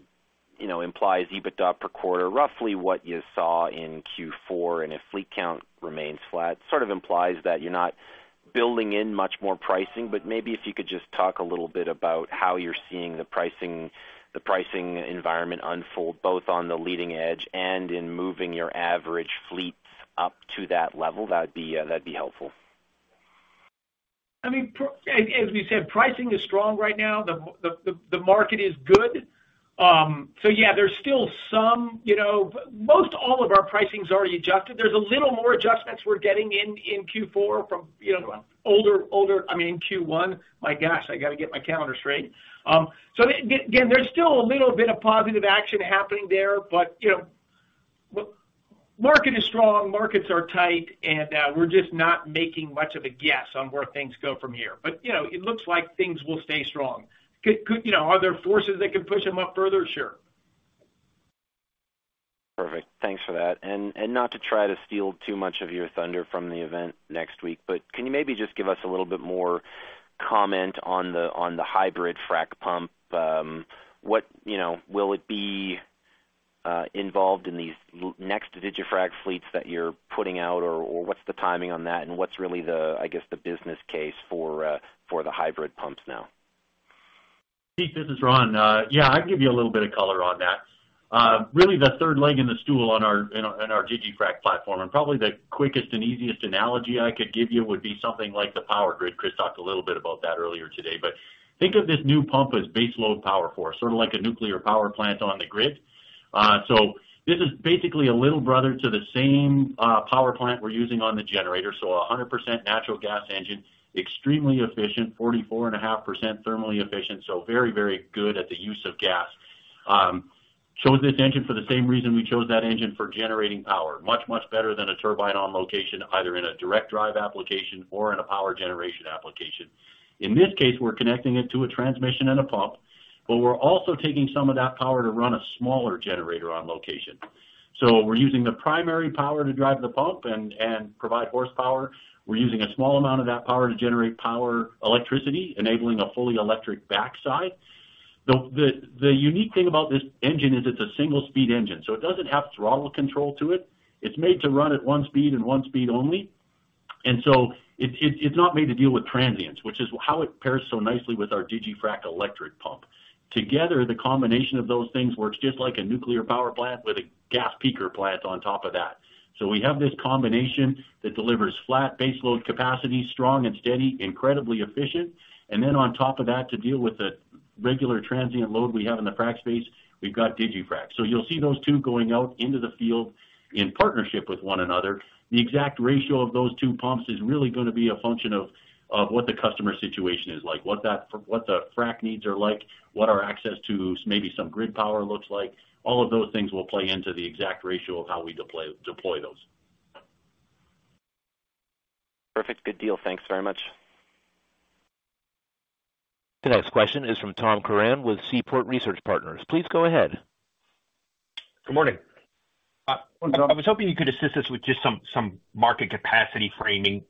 you know, implies EBITDA per quarter, roughly what you saw in Q4. If fleet count remains flat, sort of implies that you're not building in much more pricing. Maybe if you could just talk a little bit about how you're seeing the pricing environment unfold, both on the leading edge and in moving your average fleets up to that level, that'd be helpful. I mean, as we said, pricing is strong right now. The market is good. Yeah, there's still some, you know, most all of our pricing's already adjusted. There's a little more adjustments we're getting in Q4 from, you know, older, I mean, in Q1. My gosh, I gotta get my calendar straight. Again, there's still a little bit of positive action happening there. You know, market is strong, markets are tight, we're just not making much of a guess on where things go from here. You know, it looks like things will stay strong. You know, are there forces that can push them up further? Sure. Perfect. Thanks for that. Not to try to steal too much of your thunder from the event next week, can you maybe just give us a little bit more comment on the, on the hybrid frac pump? What, you know, will it be involved in these next digiFrac fleets that you're putting out, or what's the timing on that and what's really the, I guess, the business case for the hybrid pumps now? Keith, this is Ron. Yeah, I'd give you a little bit of color on that. Really the third leg in the stool on our, in our, in our digiFrac platform, and probably the quickest and easiest analogy I could give you would be something like the power grid. Chris talked a little bit about that earlier today. Think of this new pump as baseload power for us, sort of like a nuclear power plant on the grid. This is basically a little brother to the same power plant we're using on the generator. A 100% natural gas engine, extremely efficient, 44.5% thermally efficient, very, very good at the use of gas. Chose this engine for the same reason we chose that engine for generating power. Much, much better than a turbine on location, either in a direct drive application or in a power generation application. In this case, we're connecting it to a transmission and a pump, but we're also taking some of that power to run a smaller generator on location. We're using the primary power to drive the pump and provide horsepower. We're using a small amount of that power to generate power, electricity enabling a fully electric backside. The unique thing about this engine is it's a single speed engine, so it doesn't have throttle control to it. It's made to run at one speed and one speed only. It's not made to deal with transients, which is how it pairs so nicely with our digiFrac electric pump. Together, the combination of those things works just like a nuclear power plant with a gas peaker plant on top of that. We have this combination that delivers flat baseload capacity, strong and steady, incredibly efficient. Then on top of that to deal with the regular transient load we have in the frac space, we've got digiFrac. You'll see those two going out into the field in partnership with one another. The exact ratio of those two pumps is really gonna be a function of what the customer situation is like, what the frac needs are like, what our access to maybe some grid power looks like. All of those things will play into the exact ratio of how we deploy those. Perfect. Good deal. Thanks very much. The next question is from Tom Curran with Seaport Research Partners. Please go ahead. Good morning. Good morning, Tom. I was hoping you could assist us with just some market capacity framing.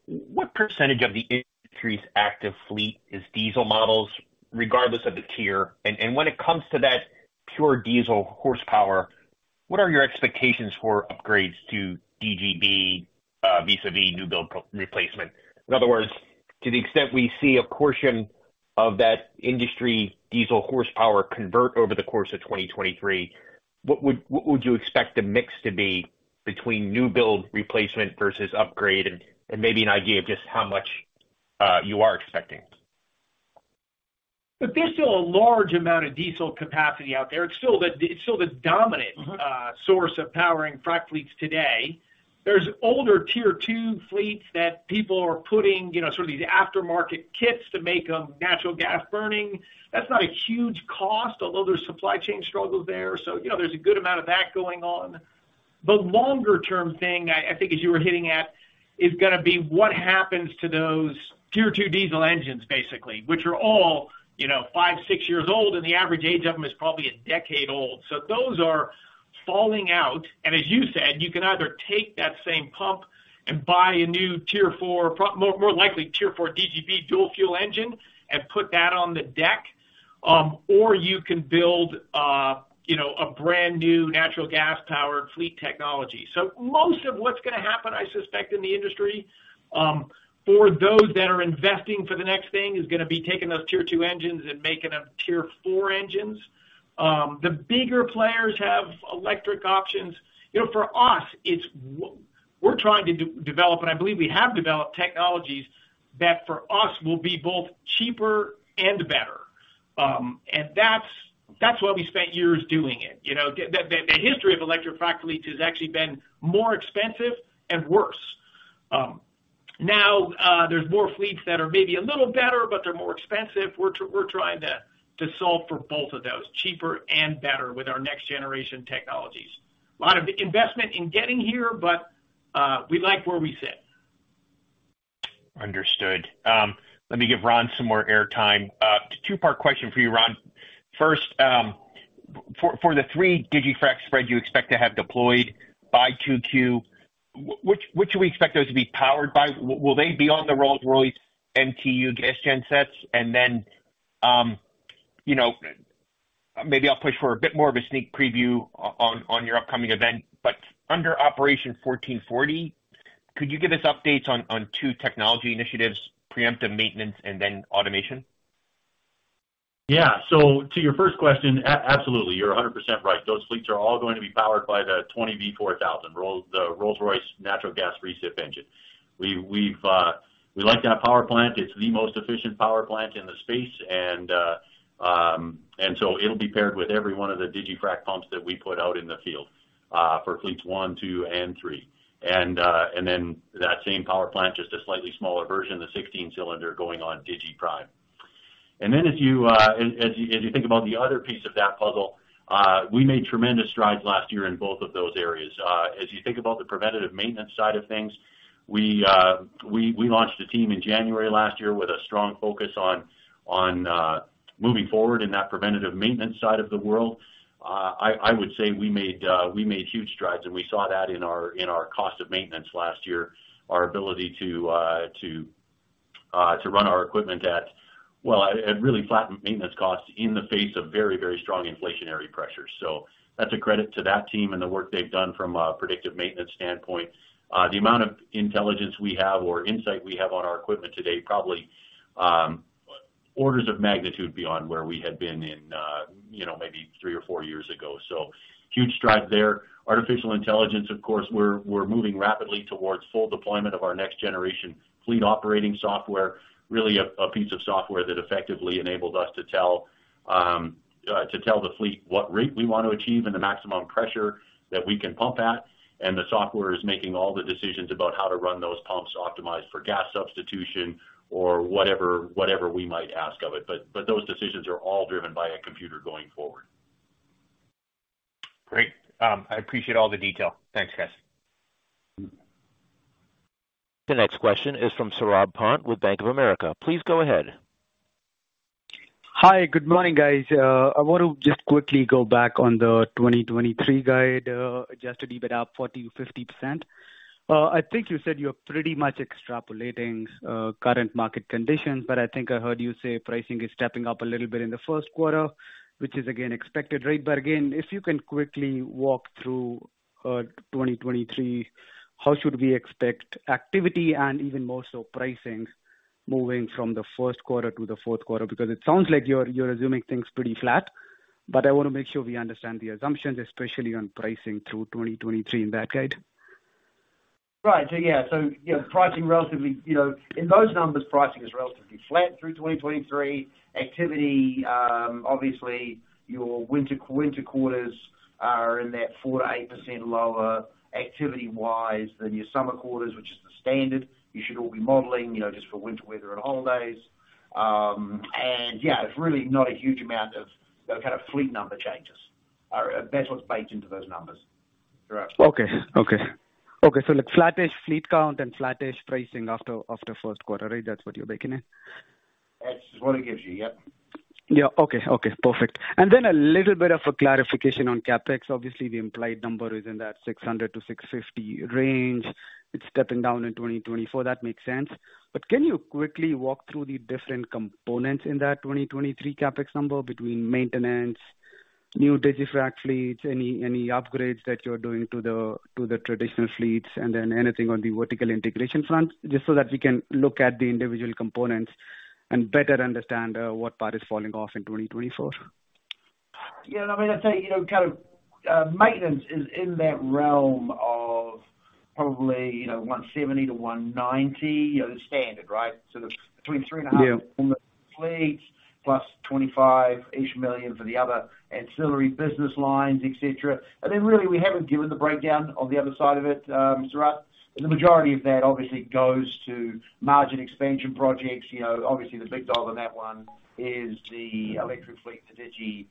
What % of the industry's active fleet is diesel models regardless of the tier? When it comes to that pure diesel horsepower, what are your expectations for upgrades to DGB vis-a-vis new build re-replacement? In other words, to the extent we see a portion of that industry diesel horsepower convert over the course of 2023, what would you expect the mix to be between new build replacement versus upgrade and maybe an idea of just how much you are expecting? Look, there's still a large amount of diesel capacity out there. It's still the dominant- Mm-hmm. Source of powering frac fleets today. There's older Tier 2 fleets that people are putting, you know, sort of these aftermarket kits to make them natural gas burning. That's not a huge cost, although there's supply chain struggles there. You know, there's a good amount of that going on. The longer term thing I think as you were hitting at, is going to be what happens to those Tier 2 diesel engines, basically, which are all, you know, five, six years old, and the average age of them is probably a decade old. Those are falling out. As you said, you can either take that same pump and buy a new Tier 4 more likely Tier 4 DGB dual-fuel engine and put that on the deck, or you can build, you know, a brand new natural gas powered fleet technology. Most of what's gonna happen, I suspect in the industry, for those that are investing for the next thing, is gonna be taking those Tier 2 engines and making them Tier 4 engines. The bigger players have electric options. You know, for us, we're trying to develop, and I believe we have developed technologies that for us will be both cheaper and better. That's why we spent years doing it. You know, the history of electric frac fleets has actually been more expensive and worse. Now, there's more fleets that are maybe a little better, but they're more expensive. We're trying to solve for both of those, cheaper and better with our next generation technologies. A lot of investment in getting here, but we like where we sit. Understood. Let me give Ron some more airtime. Two part question for you, Ron. First, for the 3 digiFrac spread you expect to have deployed by 2Q, which we expect those to be powered by? Will they be on the Rolls-Royce MTU gas gen sets? Then, you know, maybe I'll push for a bit more of a sneak preview on your upcoming event. Under Operation 1440, could you give us updates on two technology initiatives, preemptive maintenance and then automation? Yeah. To your first question, absolutely, you're 100% right. Those fleets are all going to be powered by the 20V 4000 Rolls-Royce natural gas recip engine. We've we like that power plant. It's the most efficient power plant in the space. It'll be paired with every one of the digiFrac pumps that we put out in the field for fleets one, two, and three. Then that same power plant, just a slightly smaller version, the 16 cylinder going on digiPrime. Then if you, as you think about the other piece of that puzzle, we made tremendous strides last year in both of those areas. As you think about the preventative maintenance side of things, we launched a team in January last year with a strong focus on moving forward in that preventative maintenance side of the world. I would say we made huge strides, and we saw that in our cost of maintenance last year. Our ability to run our equipment at, well, at really flattened maintenance costs in the face of very, very strong inflationary pressures. That's a credit to that team and the work they've done from a predictive maintenance standpoint. The amount of intelligence we have or insight we have on our equipment today, probably, orders of magnitude beyond where we had been in, you know, maybe three or four years ago. Huge strides there. Artificial intelligence, of course, we're moving rapidly towards full deployment of our next generation fleet operating software. Really a piece of software that effectively enabled us to tell the fleet what rate we want to achieve and the maximum pressure that we can pump at. The software is making all the decisions about how to run those pumps optimized for gas substitution or whatever we might ask of it. Those decisions are all driven by a computer going forward. Great. I appreciate all the detail. Thanks, guys. The next question is from Saurabh Pant with Bank of America. Please go ahead. Hi. Good morning, guys. I want to just quickly go back on the 2023 guide, adjusted EBIT up 40%-50%. I think you said you're pretty much extrapolating current market conditions, but I think I heard you say pricing is stepping up a little bit in the first quarter, which is again expected, right? Again, if you can quickly walk through 2023, how should we expect activity and even more so pricings moving from the first quarter to the fourth quarter? It sounds like you're assuming things pretty flat. I wanna make sure we understand the assumptions, especially on pricing through 2023 in that guide. Right. Yeah. Yeah, pricing relatively, you know, in those numbers, pricing is relatively flat through 2023. Activity, obviously your winter quarters are in that 4-8% lower activity-wise than your summer quarters, which is the standard. You should all be modeling, you know, just for winter weather and holidays. Yeah, it's really not a huge amount of, you know, kind of fleet number changes. That's what's baked into those numbers. Okay, like flattish fleet count and flattish pricing after first quarter, right? That's what you're baking in. That's what it gives you. Yep. Okay, perfect. Then a little bit of a clarification on CapEx. Obviously, the implied number is in that $600-$650 range. It's stepping down in 2024. That makes sense. Can you quickly walk through the different components in that 2023 CapEx number between maintenance, new digiFrac fleets, any upgrades that you're doing to the traditional fleets, and then anything on the vertical integration front, just so that we can look at the individual components and better understand what part is falling off in 2024? Yeah, I mean, I'd say, you know, kind of, maintenance is in that realm of probably, you know, $170-$190. You know, the standard, right? The twenty three and a half- Yeah. -fleets plus $25 each million for the other ancillary business lines, et cetera. Really, we haven't given the breakdown on the other side of it, Saurabh. The majority of that obviously goes to margin expansion projects. You know, obviously the big dog on that one is the electric fleet, the Digi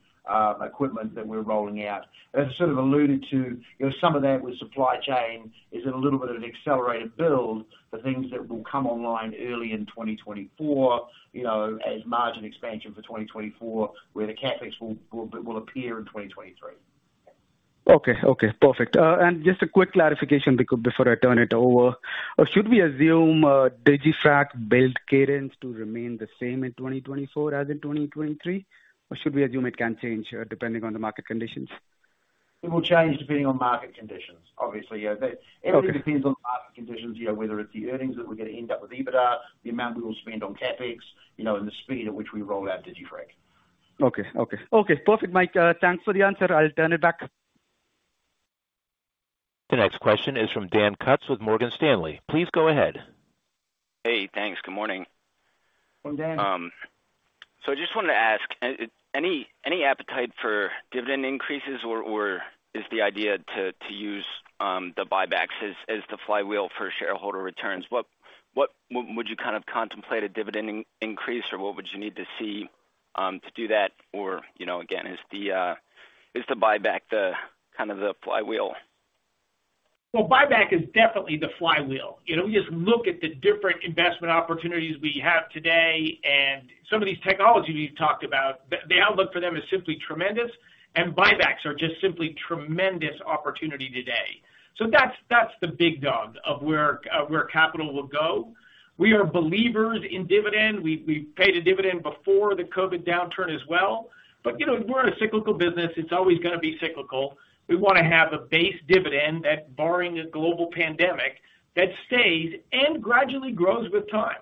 equipment that we're rolling out. As I sort of alluded to, you know, some of that with supply chain is in a little bit of an accelerated build for things that will come online early in 2024, you know, as margin expansion for 2024, where the CapEx will appear in 2023. Okay. Okay, perfect. Just a quick clarification before I turn it over. Should we assume digiFrac build cadence to remain the same in 2024 as in 2023? Should we assume it can change depending on the market conditions? It will change depending on market conditions, obviously. Yeah. Okay. Everything depends on market conditions, you know, whether it's the earnings that we're gonna end up with EBITDA, the amount we will spend on CapEx, you know, and the speed at which we roll out digiFrac. Okay. Okay. Okay, perfect, Mike. Thanks for the answer. I'll turn it back. The next question is from Dan Kutz with Morgan Stanley. Please go ahead. Hey, thanks. Good morning. Morning, Dan. I just wanted to ask any appetite for dividend increases or is the idea to use the buybacks as the flywheel for shareholder returns? What would you kind of contemplate a dividend increase, or what would you need to see to do that? You know, again, is the buyback the kind of the flywheel? Buyback is definitely the flywheel. You know, we just look at the different investment opportunities we have today and some of these technologies we've talked about, the outlook for them is simply tremendous, and buybacks are just simply tremendous opportunity today. That's the big dog of where capital will go. We are believers in dividend. We paid a dividend before the COVID downturn as well. You know, we're in a cyclical business. It's always gonna be cyclical. We wanna have a base dividend that barring a global pandemic, that stays and gradually grows with time.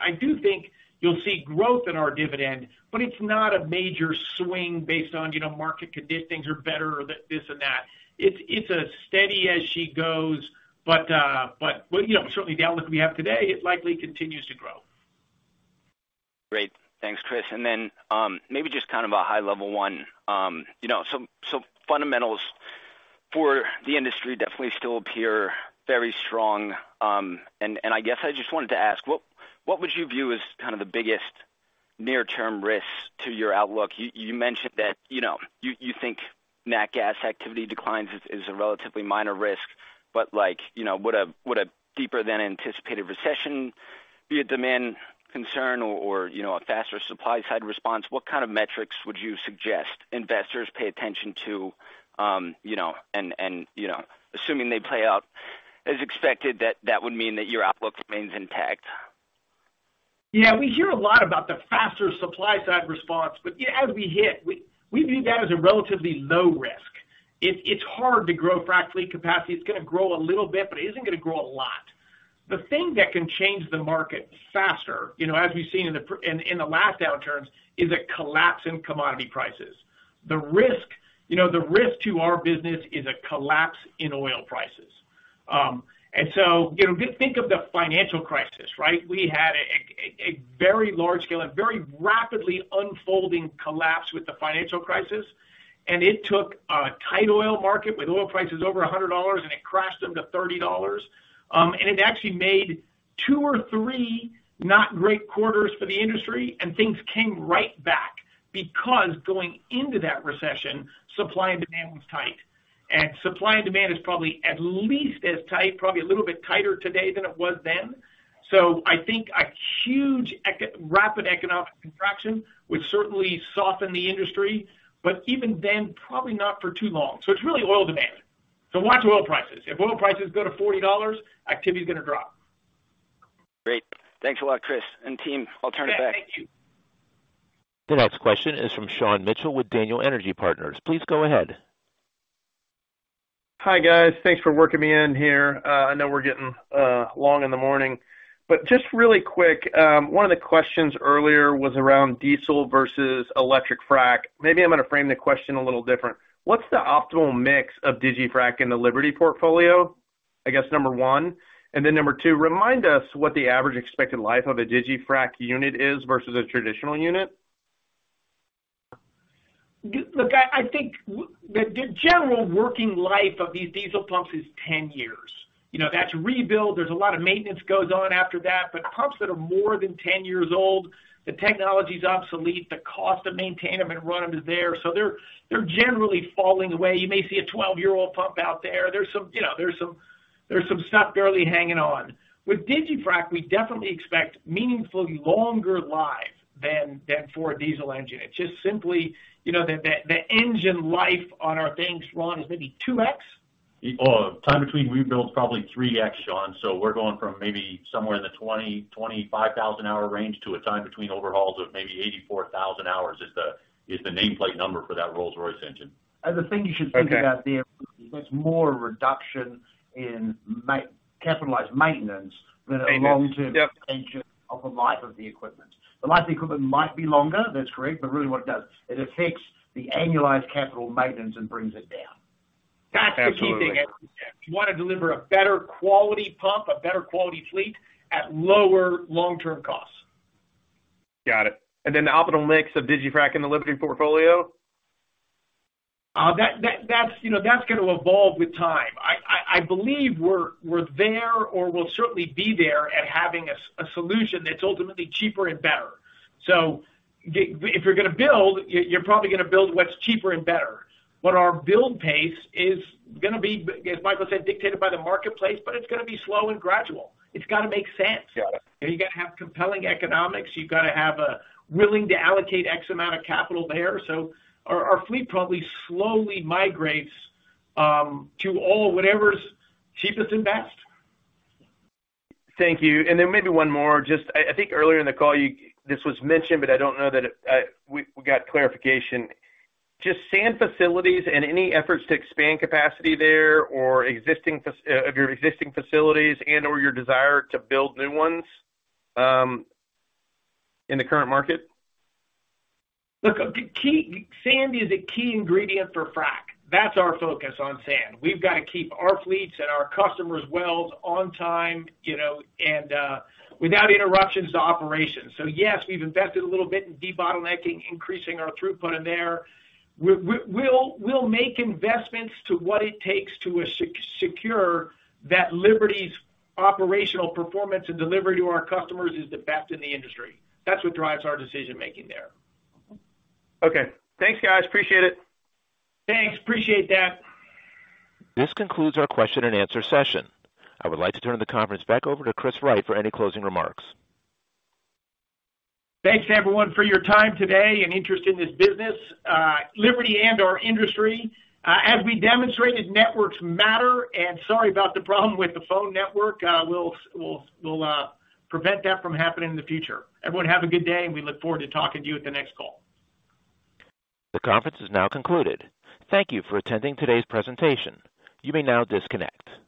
I do think you'll see growth in our dividend, but it's not a major swing based on, you know, market conditions are better or this and that. It's a steady as she goes. Well, you know, certainly the outlook we have today, it likely continues to grow. Great. Thanks, Chris. Then, maybe just kind of a high level one. You know, some fundamentals for the industry definitely still appear very strong. I guess I just wanted to ask, what would you view as kind of the biggest near-term risks to your outlook? You mentioned that, you know, you think nat gas activity declines is a relatively minor risk. Like, you know, would a deeper-than-anticipated recession be a demand concern or, you know, a faster supply side response? What kind of metrics would you suggest investors pay attention to, you know, and, you know, assuming they play out as expected, that that would mean that your outlook remains intact? Yeah. We hear a lot about the faster supply side response. As we hit, we view that as a relatively low risk. It's hard to grow frac fleet capacity. It's gonna grow a little bit, but it isn't gonna grow a lot. The thing that can change the market faster, you know, as we've seen in the last downturns, is a collapse in commodity prices. The risk, you know, the risk to our business is a collapse in oil prices. You know, think of the financial crisis, right? We had a very large scale, a very rapidly unfolding collapse with the financial crisis, and it took a tight oil market with oil prices over $100, and it crashed them to $30. It actually made two or three not great quarters for the industry, things came right back because going into that recession, supply and demand was tight. Supply and demand is probably at least as tight, probably a little bit tighter today than it was then. I think a huge rapid economic contraction would certainly soften the industry, but even then, probably not for too long. It's really oil demand. Watch oil prices. If oil prices go to $40, activity is gonna drop. Great. Thanks a lot, Chris and team. I'll turn it back. Dan, thank you. The next question is from Sean Mitchell with Daniel Energy Partners. Please go ahead. Hi, guys. Thanks for working me in here. I know we're getting long in the morning, but just really quick, one of the questions earlier was around diesel versus electric frac. Maybe I'm gonna frame the question a little different. What's the optimal mix of digiFrac in the Liberty portfolio? I guess number one, and then number two, remind us what the average expected life of a digiFrac unit is versus a traditional unit. I think the general working life of these diesel pumps is 10 years. You know, that's rebuild. There's a lot of maintenance goes on after that. Pumps that are more than 10 years old, the technology's obsolete. The cost to maintain them and run them is there. They're generally falling away. You may see a 12-year-old pump out there. There's some, you know, there's some stuff barely hanging on. With digiFrac, we definitely expect meaningfully longer lives than for a diesel engine. It's just simply, you know, the engine life on our things, Ron, is maybe 2x? Time between rebuilds, probably 3x, Sean. We're going from maybe somewhere in the 20,000-25,000 hour range to a time between overhauls of maybe 84,000 hours is the nameplate number for that Rolls-Royce engine. The thing you should think about there, it's more a reduction in capitalized maintenance than a long-term extension of the life of the equipment. The life of the equipment might be longer, that's correct. Really what it does, it affects the annualized capital maintenance and brings it down. That's the key thing. If you wanna deliver a better quality pump, a better quality fleet at lower long-term costs. Got it. The optimal mix of digiFrac in the Liberty portfolio? That's, you know, that's gonna evolve with time. I believe we're there or we'll certainly be there at having a solution that's ultimately cheaper and better. If you're gonna build, you're probably gonna build what's cheaper and better. Our build pace is gonna be, as Michael said, dictated by the marketplace, but it's gonna be slow and gradual. It's gotta make sense. Got it. You gotta have compelling economics. You've gotta have a willing to allocate X amount of capital there. Our fleet probably slowly migrates to all whatever's cheapest and best. Thank you. Maybe one more. Just I think earlier in the call this was mentioned, but I don't know that we got clarification. Just sand facilities and any efforts to expand capacity there or of your existing facilities and/or your desire to build new ones in the current market. Look, sand is a key ingredient for frac. That's our focus on sand. We've got to keep our fleets and our customers' wells on time, you know, and without interruptions to operations. Yes, we've invested a little bit in debottlenecking, increasing our throughput in there. We'll make investments to what it takes to as-secure that Liberty's operational performance and delivery to our customers is the best in the industry. That's what drives our decision-making there. Okay. Thanks, guys. Appreciate it. Thanks. Appreciate that. This concludes our question and answer session. I would like to turn the conference back over to Chris Wright for any closing remarks. Thanks everyone for your time today and interest in this business, Liberty and/or industry. As we demonstrated, networks matter. Sorry about the problem with the phone network. We'll prevent that from happening in the future. Everyone have a good day. We look forward to talking to you at the next call. The conference is now concluded. Thank you for attending today's presentation. You may now disconnect.